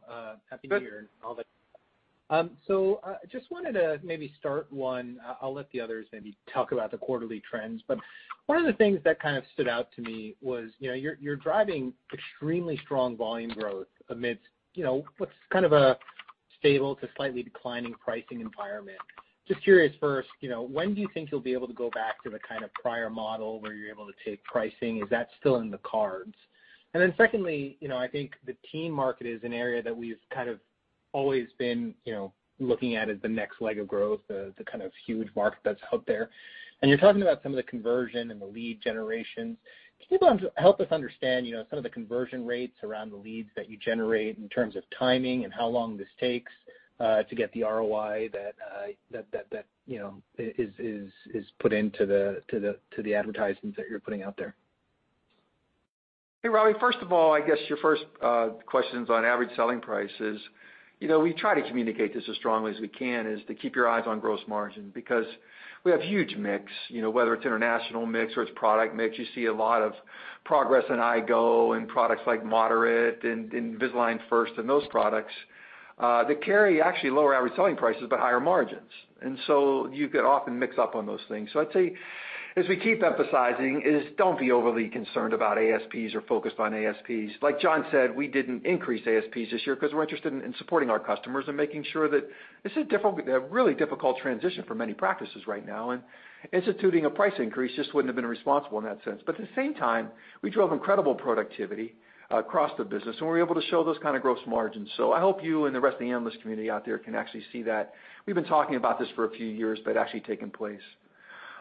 Happy New Year. All good. Just wanted to maybe start one, I'll let the others maybe talk about the quarterly trends, but one of the things that kind of stood out to me was, you're driving extremely strong volume growth amidst what's kind of a stable to slightly declining pricing environment. Just curious first, when do you think you'll be able to go back to the kind of prior model where you're able to take pricing? Is that still in the cards? Secondly, I think the teen market is an area that we've kind of always been looking at as the next leg of growth, the kind of huge market that's out there. You're talking about some of the conversion and the lead generation. Can you help us understand some of the conversion rates around the leads that you generate in terms of timing and how long this takes to get the ROI that is put into the advertisements that you're putting out there? Hey, Ravi. First of all, I guess your first question's on average selling prices. We try to communicate this as strongly as we can, is to keep your eyes on gross margin because we have huge mix, whether it's international mix or it's product mix, you see a lot of progress in iGO and products like Moderate and Invisalign First and those products, that carry actually lower average selling prices, but higher margins. And so you could often mix up on those things. So I'd say, as we keep emphasizing, is don't be overly concerned about ASPs or focused on ASPs. Like John said, we didn't increase ASPs this year because we're interested in supporting our customers and making sure that, this is a really difficult transition for many practices right now, and instituting a price increase just wouldn't have been responsible in that sense. At the same time, we drove incredible productivity across the business, and we were able to show those kind of gross margins. I hope you and the rest of the analyst community out there can actually see that. We've been talking about this for a few years, but actually taken place.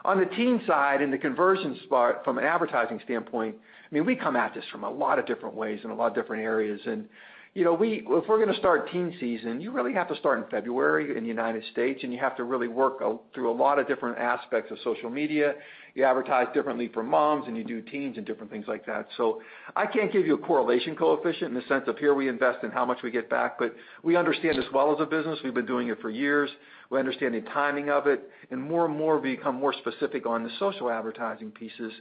On the teen side and the conversion spot from an advertising standpoint, we come at this from a lot of different ways and a lot of different areas. If we're going to start teen season, you really have to start in February in the United States, and you have to really work through a lot of different aspects of social media. You advertise differently for moms and you do teens and different things like that. I can't give you a correlation coefficient in the sense of here we invest and how much we get back, but we understand this well as a business. We've been doing it for years. We understand the timing of it, more and more we become more specific on the social advertising pieces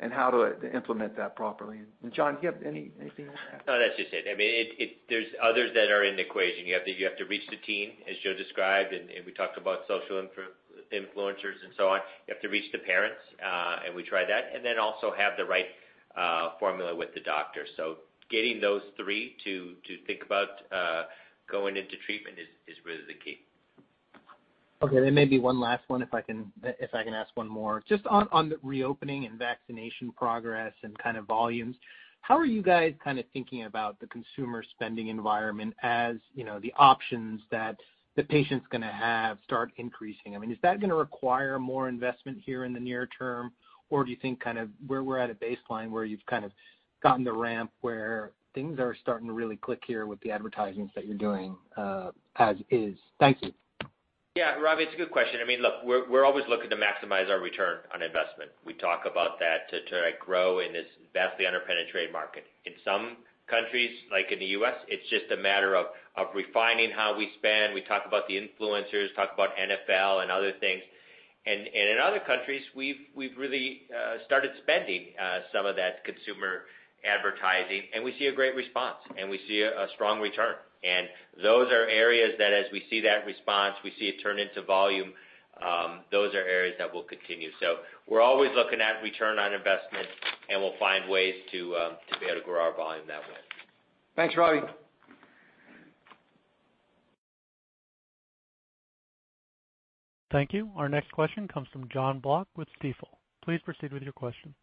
and how to implement that properly. John, do you have anything else to add? No, that's just it. There's others that are in the equation. You have to reach the teen, as Joe described, and we talked about social influencers and so on. You have to reach the parents, and we try that, and then also have the right formula with the doctor. Getting those three to think about going into treatment is really the key. Okay, maybe one last one, if I can ask one more. Just on the reopening and vaccination progress and kind of volumes, how are you guys kind of thinking about the consumer spending environment as the options that the patient's going to have start increasing? Is that going to require more investment here in the near term, or do you think kind of where we're at a baseline where you've kind of gotten the ramp where things are starting to really click here with the advertisements that you're doing as is? Thank you. Yeah, Ravi, it's a good question. Look, we're always looking to maximize our return on investment. We talk about that to grow in this vastly under-penetrated market. In some countries, like in the U.S., it's just a matter of refining how we spend. We talk about the influencers, talk about NFL, and other things. In other countries, we've really started spending some of that consumer advertising, and we see a great response, and we see a strong return. Those are areas that as we see that response, we see it turn into volume. Those are areas that we'll continue. We're always looking at return on investment, and we'll find ways to be able to grow our volume that way. Thanks, Ravi. Thank you. Our next question comes from Jon Block with Stifel. Please proceed with your question.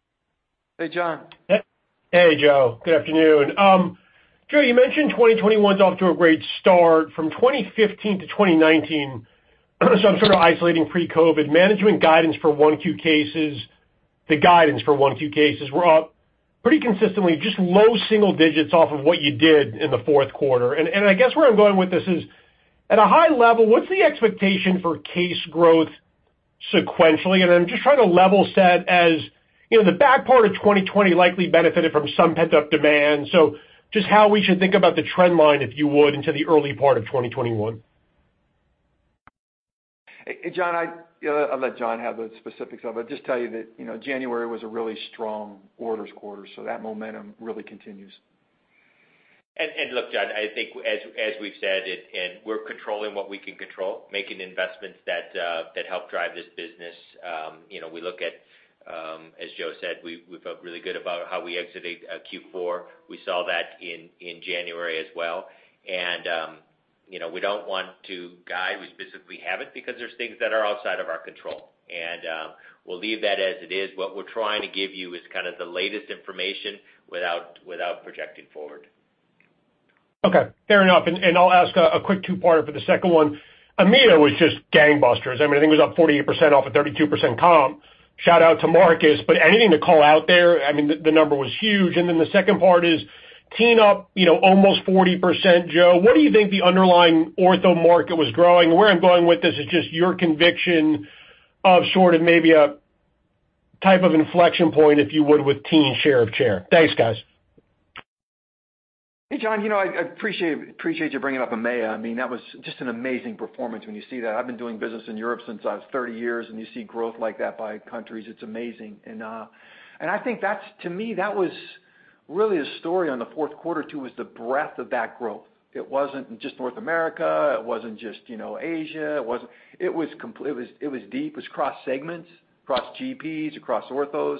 Hey, Jon. Hey, Joe. Good afternoon. Joe, you mentioned 2021's off to a great start. From 2015 to 2019, so I'm sort of isolating pre-COVID-19, management guidance for 1Q cases, the guidance for 1Q cases, were up pretty consistently, just low single digits off of what you did in the fourth quarter. I guess where I'm going with this is, at a high level, what's the expectation for case growth sequentially? I'm just trying to level set as the back part of 2020 likely benefited from some pent-up demand. Just how we should think about the trend line, if you would, into the early part of 2021? Hey, Jon, I'll let John have the specifics of it. Just tell you that January was a really strong orders quarter, so that momentum really continues. Look, Jon, I think as we've said, and we're controlling what we can control, making investments that help drive this business. We look at, as Joe said, we felt really good about how we exited Q4. We saw that in January as well. We don't want to guide. We specifically haven't because there's things that are outside of our control. We'll leave that as it is. What we're trying to give you is kind of the latest information without projecting forward. Okay. Fair enough. I'll ask a quick two-parter for the second one. EMEA was just gangbusters. I think it was up 48% off of 32% comp. Shout out to Marcus. Anything to call out there? The number was huge. The second part is teen up almost 40%, Joe, what do you think the underlying ortho market was growing? Where I'm going with this is just your conviction of sort of maybe a type of inflection point, if you would, with teen share of chair. Thanks, guys. Hey, Jon, I appreciate you bringing up EMEA. That was just an amazing performance when you see that. I've been doing business in Europe since I was 30 years. You see growth like that by countries. It's amazing. I think to me, that was really a story on the fourth quarter, too, was the breadth of that growth. It wasn't just North America, it wasn't just Asia. It was deep. It was cross-segments, cross GPs, across orthos.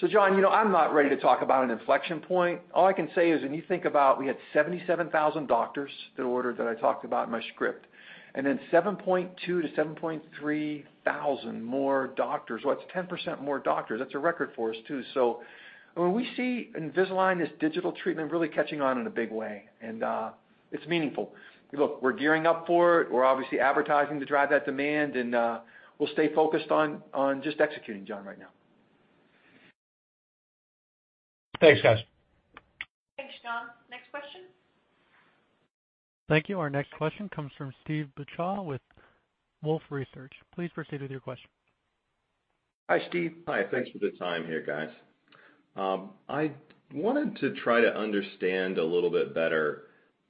Jon, I'm not ready to talk about an inflection point. All I can say is when you think about we had 77,000 doctors that ordered, that I talked about in my script, and then 7,200 -7,300 more doctors. Well, that's 10% more doctors. That's a record for us, too. When we see Invisalign, this digital treatment, really catching on in a big way, and it's meaningful. Look, we're gearing up for it. We're obviously advertising to drive that demand, and we'll stay focused on just executing, Jon, right now. Thanks, guys. Thanks, Jon. Next question? Thank you. Our next question comes from Steve Beuchaw with Wolfe Research. Please proceed with your question. Hi, Steve. Hi. Thanks for the time here, guys. I wanted to try to understand a little bit better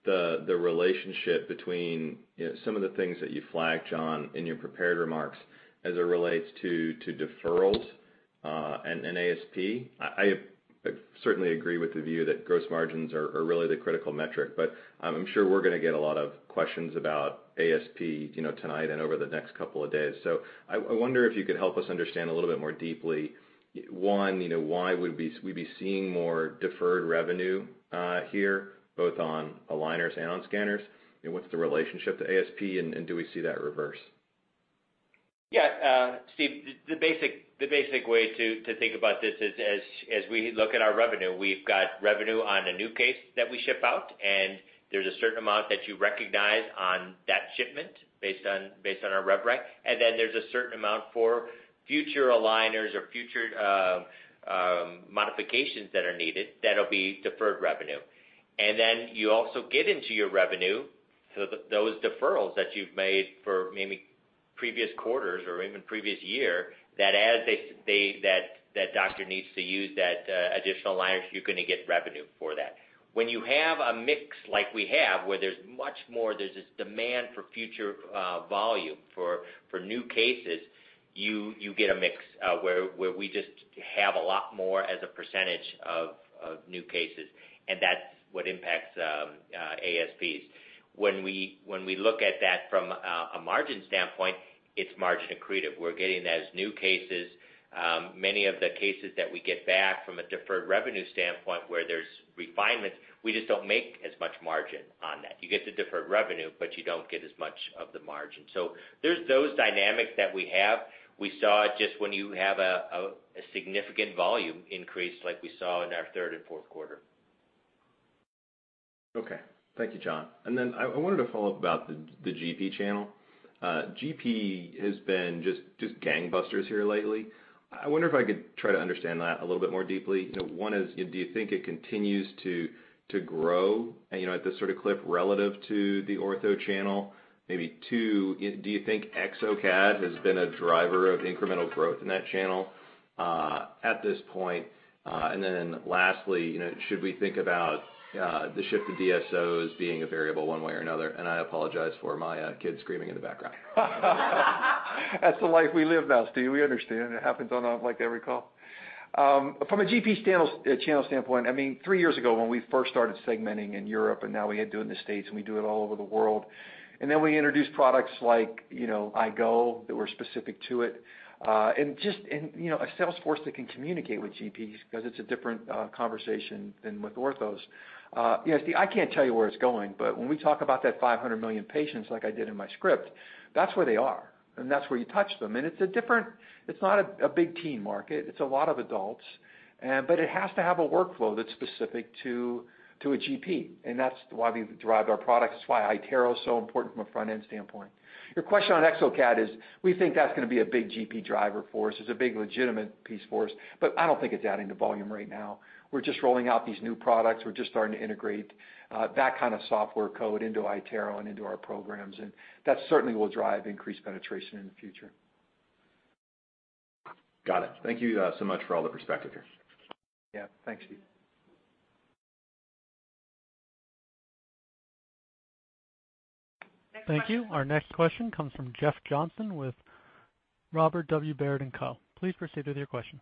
the relationship between some of the things that you flagged, John, in your prepared remarks as it relates to deferrals, and ASP. I certainly agree with the view that gross margins are really the critical metric, but I'm sure we're going to get a lot of questions about ASP tonight and over the next couple of days. I wonder if you could help us understand a little bit more deeply, one, why we'd be seeing more deferred revenue here, both on aligners and on scanners, and what's the relationship to ASP, and do we see that reverse? Yeah, Steve, the basic way to think about this is as we look at our revenue, we've got revenue on a new case that we ship out. There's a certain amount that you recognize on that shipment based on our revenue recognition. Then there's a certain amount for future aligners or future modifications that are needed that'll be deferred revenue. Then you also get into your revenue, so those deferrals that you've made for maybe previous quarters or even previous year, that as that doctor needs to use that additional aligners, you're going to get revenue for that. When you have a mix like we have, where there's much more, there's this demand for future volume for new cases, you get a mix, where we just have a lot more as a percentage of new cases. That's what impacts ASPs. When we look at that from a margin standpoint, it's margin accretive. We're getting those new cases. Many of the cases that we get back from a deferred revenue standpoint where there's refinements, we just don't make as much margin on that. You get the deferred revenue, but you don't get as much of the margin. There's those dynamics that we have. We saw just when you have a significant volume increase like we saw in our third and fourth quarter. Okay. Thank you, John. I wanted to follow up about the GP channel. GP has been just gangbusters here lately. I wonder if I could try to understand that a little bit more deeply. One is, do you think it continues to grow at this sort of clip relative to the ortho channel? Two, do you think exocad has been a driver of incremental growth in that channel at this point? Lastly, should we think about the shift to DSOs being a variable one way or another? I apologize for my kids screaming in the background. That's the life we live now, Steve, we understand. It happens on, like every call. From a GP channel standpoint, three years ago when we first started segmenting in Europe, now we had to do it in the States, we do it all over the world. Then we introduced products like iGO that were specific to it. A sales force that can communicate with GPs because it's a different conversation than with orthodontists. See, I can't tell you where it's going, when we talk about that 500 million patients like I did in my script, that's where they are, that's where you touch them. It's not a big teen market. It's a lot of adults. It has to have a workflow that's specific to a GP, and that's why we've derived our products, that's why iTero is so important from a front-end standpoint. Your question on exocad is, we think that's going to be a big GP driver for us. It's a big legitimate piece for us, but I don't think it's adding to volume right now. We're just rolling out these new products. We're just starting to integrate that kind of software code into iTero and into our programs, and that certainly will drive increased penetration in the future. Got it. Thank you so much for all the perspective here. Yeah. Thanks, Steve. Thank you. Our next question comes from Jeff Johnson with Robert W. Baird & Co. Please proceed with your question.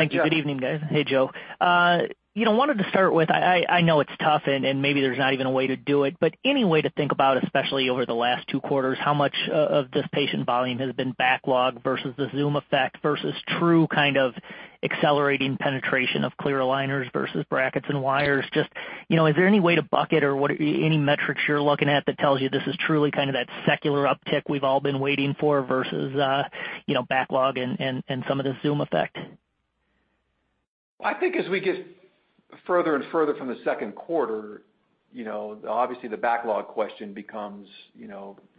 Thank you. Good evening, guys. Hey, Joe. Wanted to start with, I know it's tough and maybe there's not even a way to do it, but any way to think about, especially over the last two quarters, how much of this patient volume has been backlogged versus the Zoom effect versus true kind of accelerating penetration of clear aligners versus brackets and wires? Just, is there any way to bucket it or any metrics you're looking at that tells you this is truly kind of that secular uptick we've all been waiting for versus backlog and some of the Zoom effect? I think as we get further and further from the second quarter, obviously the backlog question becomes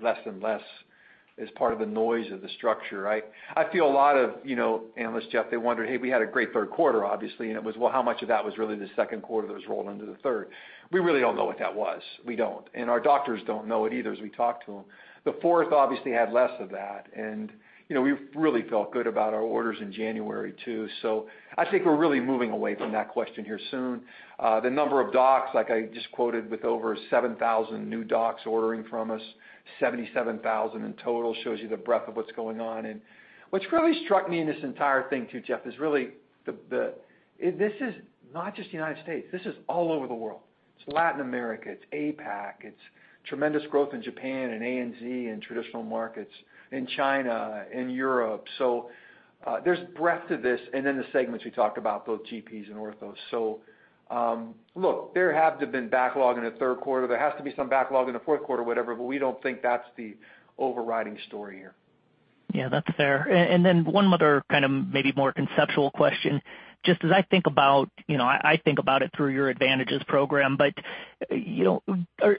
less and less as part of the noise of the structure, right? I feel a lot of analysts, Jeff, they wonder, hey, we had a great third quarter, obviously, and it was, well, how much of that was really the second quarter that was rolled into the third? We really don't know what that was. We don't. Our doctors don't know it either as we talk to them. The fourth obviously had less of that, and we really felt good about our orders in January, too. I think we're really moving away from that question here soon. The number of docs, like I just quoted, with over 7,000 new docs ordering from us, 77,000 in total, shows you the breadth of what's going on. What's really struck me in this entire thing, too, Jeff, is really this is not just the United States, this is all over the world. It's Latin America, it's APAC, it's tremendous growth in Japan and ANZ and traditional markets, in China, in Europe. There's breadth to this, and then the segments we talked about, both GPs and orthodontists. Look, there has to have been backlog in the third quarter. There has to be some backlog in the fourth quarter, whatever, but we don't think that's the overriding story here. That's fair. One other kind of maybe more conceptual question, just as I think about it through your Advantages program,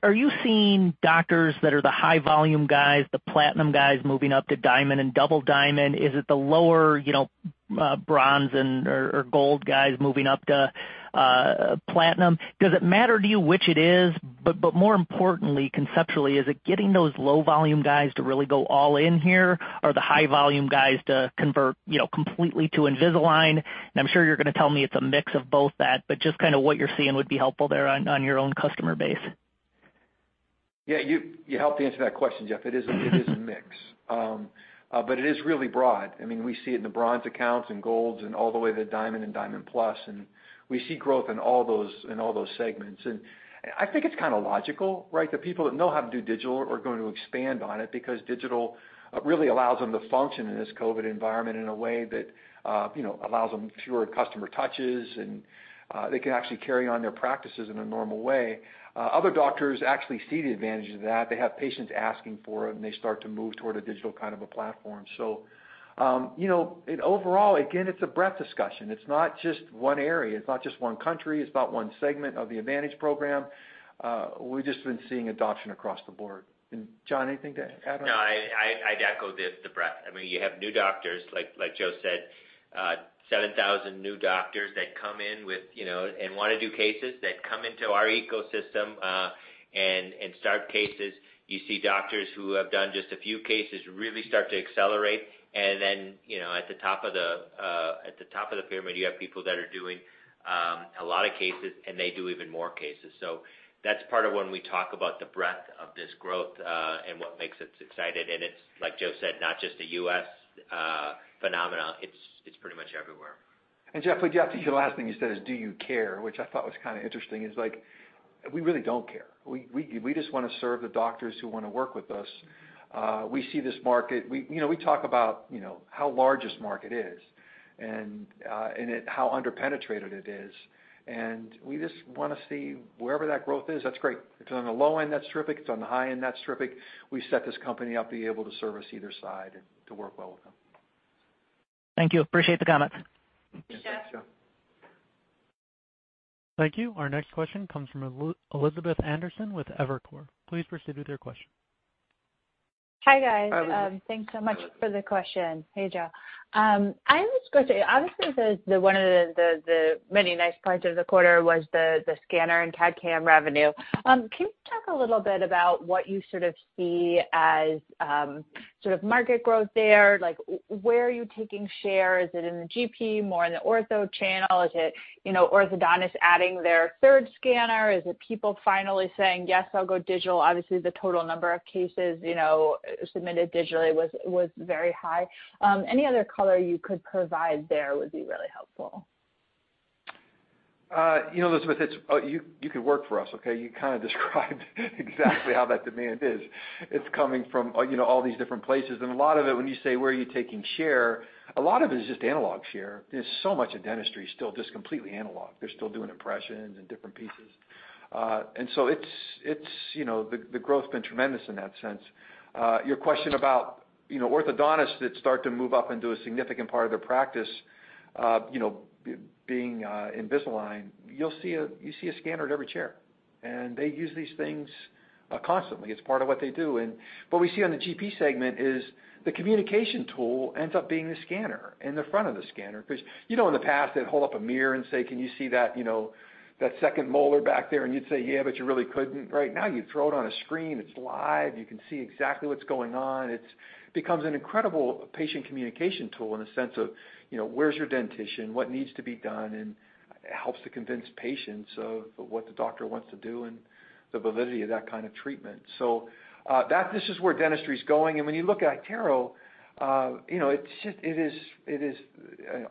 are you seeing doctors that are the high volume guys, the Platinum guys moving up to Diamond and Double Diamond? Is it the lower Bronze or Gold guys moving up to Platinum? Does it matter to you which it is? More importantly, conceptually, is it getting those low volume guys to really go all in here or the high volume guys to convert completely to Invisalign? I'm sure you're going to tell me it's a mix of both that, but just kind of what you're seeing would be helpful there on your own customer base. Yeah, you helped answer that question, Jeff. It is a mix. It is really broad. We see it in the Bronze accounts and Golds and all the way to Diamond and Diamond Plus, and we see growth in all those segments. I think it's kind of logical, right? The people that know how to do digital are going to expand on it because digital really allows them to function in this COVID-19 environment in a way that allows them fewer customer touches, and they can actually carry on their practices in a normal way. Other doctors actually see the advantage of that. They have patients asking for it, and they start to move toward a digital kind of a platform. Overall, again, it's a breadth discussion. It's not just one area. It's not just one country. It's about one segment of the advantage program. We've just been seeing adoption across the board. John, anything to add on that? No, I'd echo the breadth. You have new doctors, like Joe said, 7,000 new doctors that come in and want to do cases, that come into our ecosystem and start cases. You see doctors who have done just a few cases really start to accelerate. Then at the top of the pyramid, you have people that are doing a lot of cases, and they do even more cases. That's part of when we talk about the breadth of this growth and what makes us excited. It's, like Joe said, not just a U.S. phenomenon. It's pretty much everywhere. Jeff, the last thing you said is, do you care? Which I thought was kind of interesting, is like, we really don't care. We just want to serve the doctors who want to work with us. We see this market. We talk about how large this market is and how under-penetrated it is, and we just want to see wherever that growth is. That's great. If it's on the low end, that's terrific. If it's on the high end, that's terrific. We set this company up to be able to service either side and to work well with them. Thank you. Appreciate the comments. Thanks, Jeff. Thank you. Our next question comes from Elizabeth Anderson with Evercore. Please proceed with your question. Hi, guys. Thanks so much for the question. Hey, Joe. I have this question. Obviously, one of the many nice parts of the quarter was the scanner and CAD/CAM revenue. Can you talk a little bit about what you see as market growth there? Where are you taking share? Is it in the GP more in the ortho channel? Is it orthodontist adding their third scanner? Is it people finally saying, "Yes, I'll go digital"? Obviously, the total number of cases submitted digitally was very high. Any other color you could provide there would be really helpful. Elizabeth, you could work for us, okay? You kind of described exactly how that demand is. It's coming from all these different places, and a lot of it, when you say, "Where are you taking share?" A lot of it is just analog share. There's so much of dentistry still just completely analog. They're still doing impressions and different pieces. The growth's been tremendous in that sense. Your question about orthodontists that start to move up into a significant part of their practice being Invisalign, you'll see a scanner at every chair, and they use these things constantly. It's part of what they do. What we see on the GP segment is the communication tool ends up being the scanner and the front of the scanner, because in the past, they'd hold up a mirror and say, "Can you see that second molar back there?" You'd say, "Yeah," but you really couldn't. Right now, you throw it on a screen, it's live. You can see exactly what's going on. It becomes an incredible patient communication tool in a sense of, where's your dentition, what needs to be done, and it helps to convince patients of what the doctor wants to do and the validity of that kind of treatment. This is where dentistry's going. When you look at iTero, it is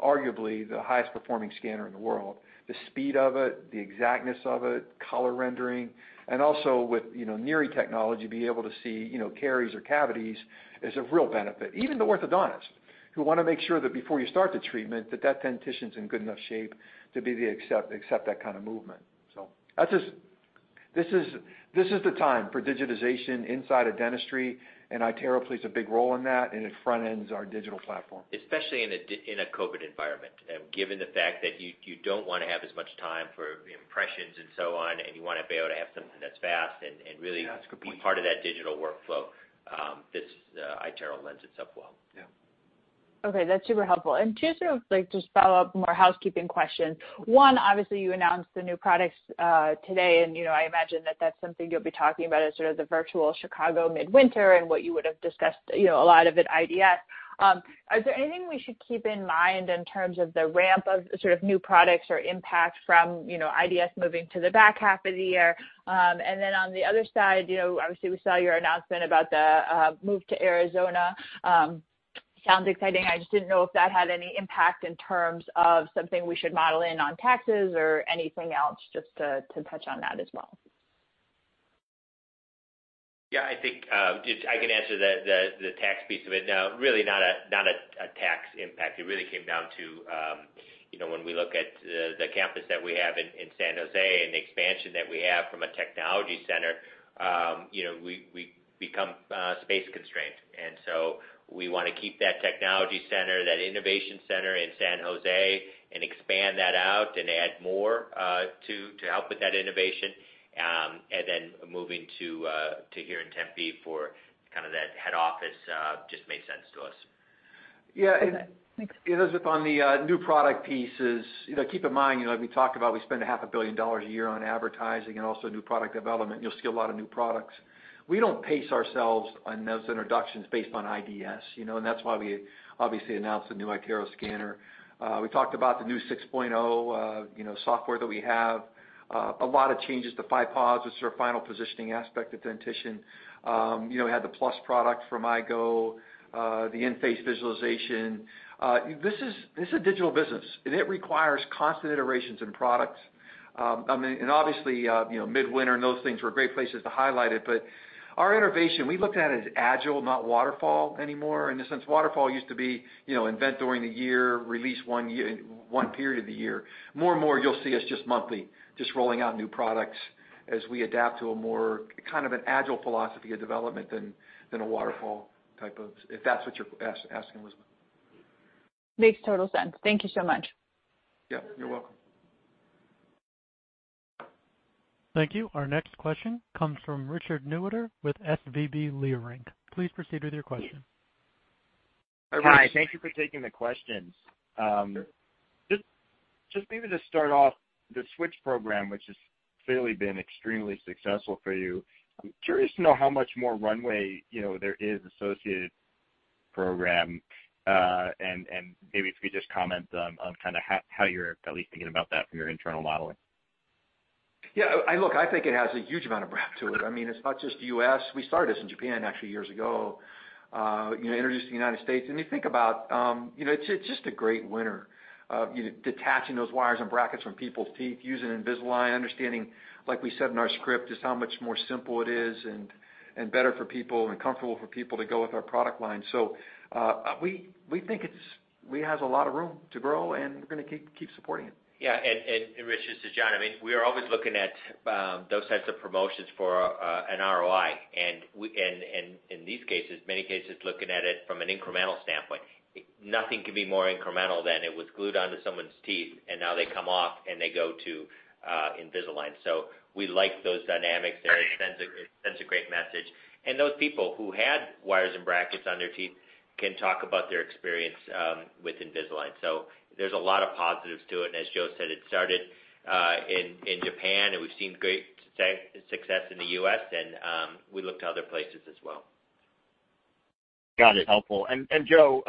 arguably the highest performing scanner in the world. The speed of it, the exactness of it, color rendering, and also with Near-Infrared Imaging technology, being able to see caries or cavities is of real benefit. Even the orthodontists, who want to make sure that before you start the treatment, that that dentition's in good enough shape to accept that kind of movement. This is the time for digitization inside of dentistry, and iTero plays a big role in that, and it front-ends our digital platform. Especially in a COVID environment. Given the fact that you don't want to have as much time for impressions and so on, and you want to be able to have something that's fast and really be part of that digital workflow, this iTero lends itself well. Yeah. Okay, that's super helpful. Two sort of just follow-up more housekeeping questions. One, obviously, you announced the new products today, and I imagine that that's something you'll be talking about as sort of the virtual Chicago Midwinter and what you would've discussed a lot of at Invisalign Doctor Site. Is there anything we should keep in mind in terms of the ramp of sort of new products or impact from IDS moving to the back half of the year? Then on the other side, obviously, we saw your announcement about the move to Arizona. Sounds exciting. I just didn't know if that had any impact in terms of something we should model in on taxes or anything else, just to touch on that as well. Yeah, I think I can answer the tax piece of it. No, really not a tax impact. It really came down to when we look at the campus that we have in San Jose and the expansion that we have from a technology center, we become space constrained. We want to keep that technology center, that innovation center in San Jose and expand that out and add more to help with that innovation. Moving to here in Tempe for kind of that head office just made sense to us. Yeah. Okay, thanks. Elizabeth, on the new product pieces, keep in mind, we talked about we spend a half a billion dollars a year on advertising and also new product development, and you'll see a lot of new products. We don't pace ourselves on those introductions based on IDS. That's why we obviously announced the new iTero scanner. We talked about the new 6.0 software that we have. A lot of changes to FiPos, which is our final positioning aspect of dentition. We had the plus product from iGO, the in-face visualization. This is a digital business. It requires constant iterations in products. Obviously, Midwinter and those things were great places to highlight it, but our innovation, we looked at it as agile, not waterfall anymore, in the sense waterfall used to be invent during the year, release one period of the year. More and more, you'll see us just monthly, just rolling out new products as we adapt to a more kind of an agile philosophy of development than a waterfall. If that's what you're asking, Elizabeth. Makes total sense. Thank you so much. Yeah. You're welcome. Thank you. Our next question comes from Richard Newitter with SVB Leerink. Please proceed with your question. Hi. Thank you for taking the questions. Just maybe to start off, the Switch Program, which has clearly been extremely successful for you, I'm curious to know how much more runway there is associated with the program, and maybe if you could just comment on kind of how you're at least thinking about that from your internal modeling. Yeah, look, I think it has a huge amount of breadth to it. It's not just the U.S. We started this in Japan actually years ago, introduced it to the United States. You think about, it's just a great winner. Detaching those wires and brackets from people's teeth, using Invisalign, understanding, like we said in our script, just how much more simple it is and better for people and comfortable for people to go with our product line. We think it has a lot of room to grow, and we're going to keep supporting it. Yeah, Richard, this is John. We are always looking at those types of promotions for an ROI, and in these cases, many cases, looking at it from an incremental standpoint. Nothing could be more incremental than it was glued onto someone's teeth, and now they come off and they go to Invisalign. We like those dynamics there. It sends a great message. Those people who had wires and brackets on their teeth can talk about their experience with Invisalign. There's a lot of positives to it. As Joe said, it started in Japan, and we've seen great success in the U.S., and we look to other places as well. Got it. Helpful. Joe,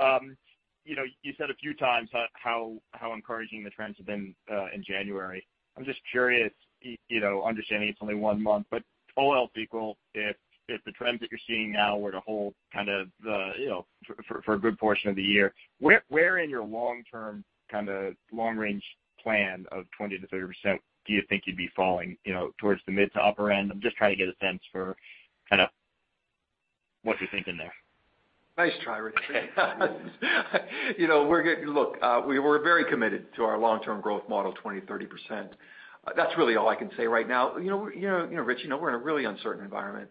you said a few times how encouraging the trends have been in January. I'm just curious, understanding it's only one month, but all else equal, if the trends that you're seeing now were to hold for a good portion of the year, where in your long-term, long-range plan of 20%-30% do you think you'd be falling, towards the mid to upper end? I'm just trying to get a sense for what you're thinking there. Nice try, Richard. Look, we're very committed to our long-term growth model, 20%-30%. That's really all I can say right now. Richard, we're in a really uncertain environment.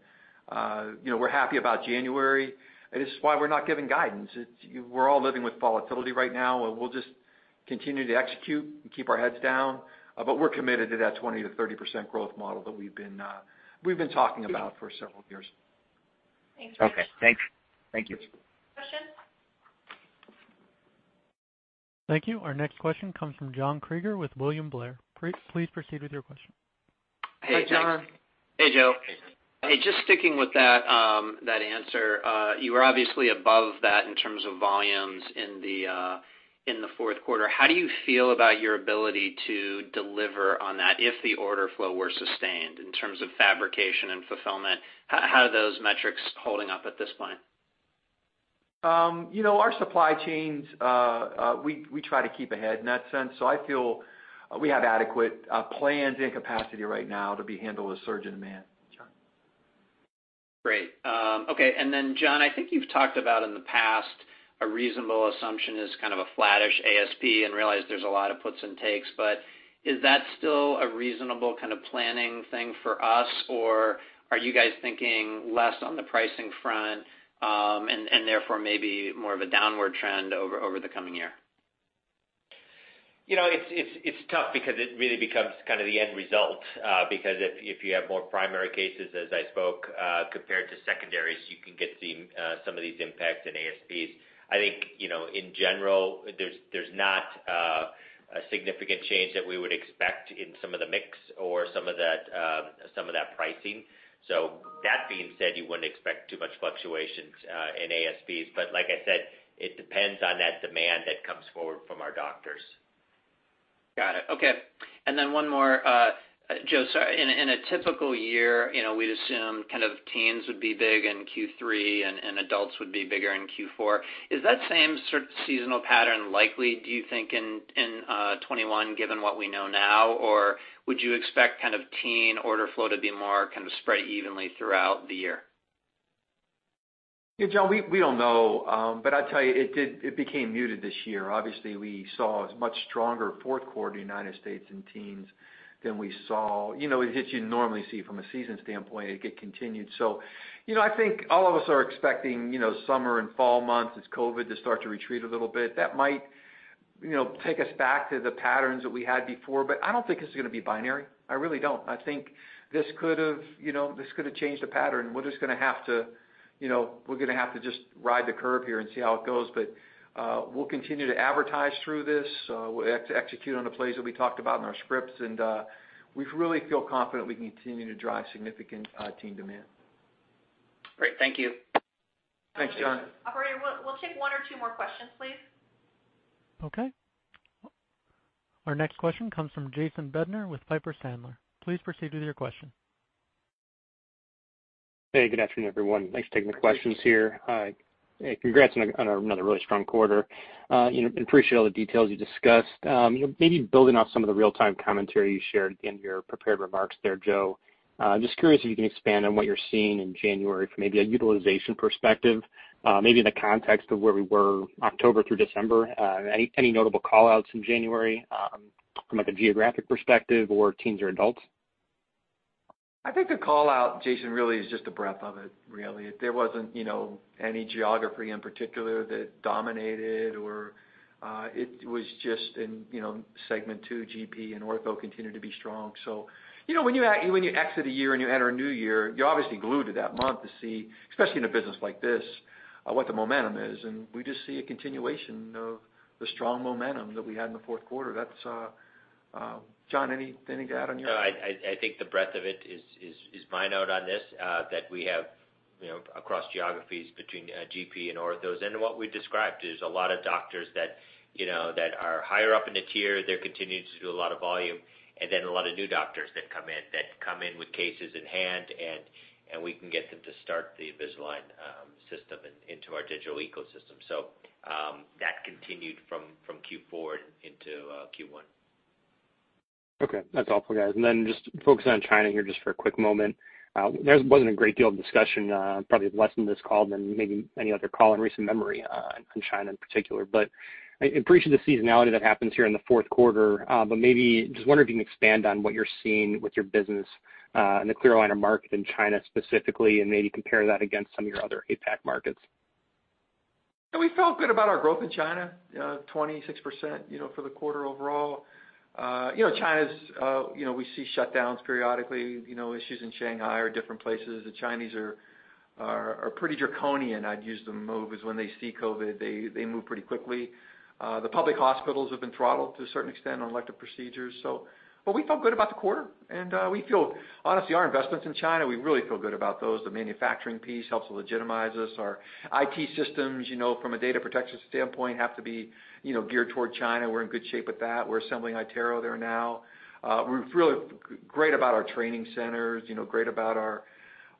We're happy about January. This is why we're not giving guidance. We're all living with volatility right now, and we'll just continue to execute and keep our heads down. We're committed to that 20%-30% growth model that we've been talking about for several years. Okay. Thanks. Thank you. Questions? Thank you. Our next question comes from John Kreger with William Blair. Please proceed with your question. Hi, John. Hey, Joe. Hey. Hey, just sticking with that answer. You were obviously above that in terms of volumes in the fourth quarter. How do you feel about your ability to deliver on that if the order flow were sustained in terms of fabrication and fulfillment? How are those metrics holding up at this point? Our supply chains, we try to keep ahead in that sense. I feel we have adequate plans and capacity right now to be handling a surge in demand, John. Great. Okay. Then, John, I think you've talked about in the past, a reasonable assumption is kind of a flattish ASP, and realize there's a lot of puts and takes, but is that still a reasonable kind of planning thing for us, or are you guys thinking less on the pricing front, and therefore maybe more of a downward trend over the coming year? It's tough because it really becomes the end result. If you have more primary cases as I spoke, compared to secondaries, you can get some of these impacts in ASPs. I think, in general, there's not a significant change that we would expect in some of the mix or some of that pricing. That being said, you wouldn't expect too much fluctuations in ASPs. Like I said, it depends on that demand that comes forward from our doctors. Got it. Okay. Then one more. Joe, in a typical year, we'd assume teens would be big in Q3 and adults would be bigger in Q4. Is that same sort of seasonal pattern likely, do you think, in 2021, given what we know now, or would you expect teen order flow to be more kind of spread evenly throughout the year? Yeah, John, we don't know, but I'll tell you, it became muted this year. Obviously, we saw a much stronger fourth quarter in the United States in teens than we saw. It hits you normally see from a season standpoint, it get continued. I think all of us are expecting summer and fall months as COVID-19 to start to retreat a little bit. That might take us back to the patterns that we had before. I don't think it's going to be binary. I really don't. I think this could've changed the pattern. We're going to have to just ride the curve here and see how it goes. We'll continue to advertise through this. We'll execute on the plays that we talked about in our scripts, and we really feel confident we can continue to drive significant teen demand. Great. Thank you. Thanks, John. Operator, we'll take one or two more questions, please. Okay. Our next question comes from Jason Bednar with Piper Sandler. Please proceed with your question. Hey, good afternoon, everyone. Thanks for taking the questions here. Hey, congrats on another really strong quarter. Appreciate all the details you discussed. Maybe building off some of the real-time commentary you shared in your prepared remarks there, Joe. Just curious if you can expand on what you're seeing in January from maybe a utilization perspective, maybe in the context of where we were October through December. Any notable call-outs in January, from like a geographic perspective or teens or adults? I think the call-out, Jason, really is just the breadth of it, really. There wasn't any geography in particular that dominated. It was just in Segment 2, GP and orthodontic continue to be strong. When you exit a year and you enter a new year, you're obviously glued to that month to see, especially in a business like this, what the momentum is, and we just see a continuation of the strong momentum that we had in the fourth quarter. John, anything to add on your end? No, I think the breadth of it is my note on this, that we have across geographies between GP and orthodontic. What we described is a lot of doctors that are higher up in the tier, they're continuing to do a lot of volume. A lot of new doctors that come in with cases in hand, and we can get them to start the Invisalign system into our digital ecosystem. That continued from Q4 into Q1. Okay. That's helpful, guys. Just focusing on China here just for a quick moment. There wasn't a great deal of discussion, probably less on this call than maybe any other call in recent memory on China in particular, but I appreciate the seasonality that happens here in the fourth quarter, but maybe just wondering if you can expand on what you're seeing with your business in the clear aligner market in China specifically, and maybe compare that against some of your other APAC markets. Yeah, we felt good about our growth in China, 26% for the quarter overall. China, we see shutdowns periodically, issues in Shanghai or different places. The Chinese are pretty draconian when they see COVID, they move pretty quickly. The public hospitals have been throttled to a certain extent on elective procedures. We felt good about the quarter, and we feel Honestly, our investments in China, we really feel good about those. The manufacturing piece helps to legitimize us. Our IT systems, from a data protection standpoint, have to be geared toward China. We're in good shape with that. We're assembling iTero there now. We feel great about our training centers, great about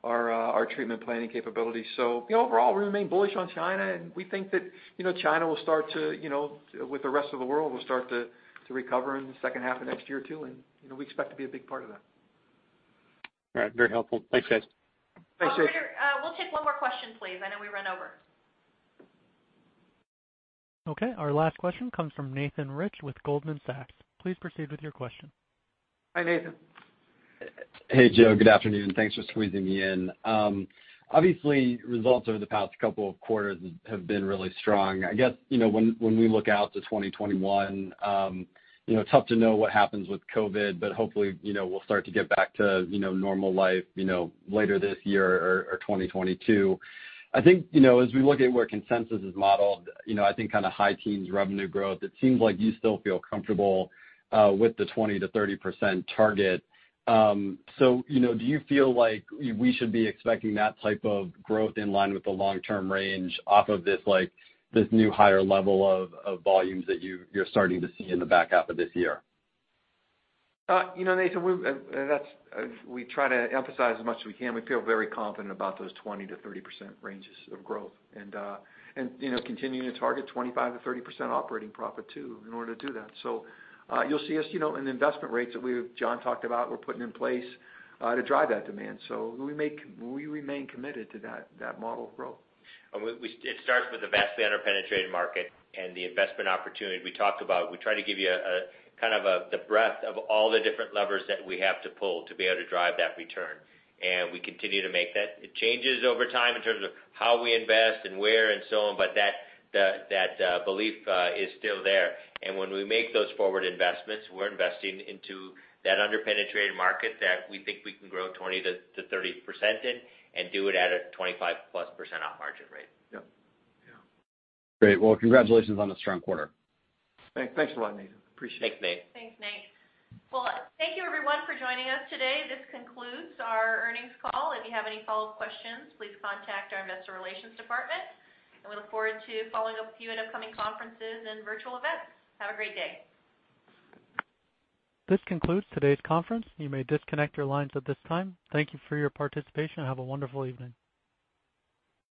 our treatment planning capabilities. Overall, we remain bullish on China, and we think that China, with the rest of the world, will start to recover in the second half of next year, too, and we expect to be a big part of that. All right. Very helpful. Thanks, guys. Thanks, Jason. Operator, we'll take one more question, please. I know we ran over. Okay. Our last question comes from Nathan Rich with Goldman Sachs. Please proceed with your question. Hi, Nathan. Hey, Joe. Good afternoon. Thanks for squeezing me in. Obviously, results over the past couple of quarters have been really strong. I guess, when we look out to 2021, tough to know what happens with COVID, but hopefully we'll start to get back to normal life later this year or 2022. I think, as we look at where consensus is modeled, I think kind of high teens revenue growth, it seems like you still feel comfortable with the 20%-30% target. Do you feel like we should be expecting that type of growth in line with the long-term range off of this new higher level of volumes that you're starting to see in the back half of this year? Nathan, we try to emphasize as much as we can, we feel very confident about those 20%-30% ranges of growth. Continuing to target 25%-30% operating profit, too, in order to do that. You'll see us in the investment rates that John talked about, we're putting in place to drive that demand. We remain committed to that model of growth. It starts with the vastly under-penetrated market and the investment opportunity we talked about. We try to give you kind of the breadth of all the different levers that we have to pull to be able to drive that return, and we continue to make that. It changes over time in terms of how we invest and where and so on, but that belief is still there. When we make those forward investments, we're investing into that under-penetrated market that we think we can grow 20% to 30% in and do it at a 25+% operating margin rate. Yep. Yeah. Great. Well, congratulations on the strong quarter. Thanks a lot, Nathan. Appreciate it. Thanks, Nathan. Thanks, Nathan. Well, thank you everyone for joining us today. This concludes our earnings call. If you have any follow-up questions, please contact our investor relations department. We look forward to following up with you at upcoming conferences and virtual events. Have a great day. This concludes today's conference. You may disconnect your lines at this time. Thank you for your participation and have a wonderful evening.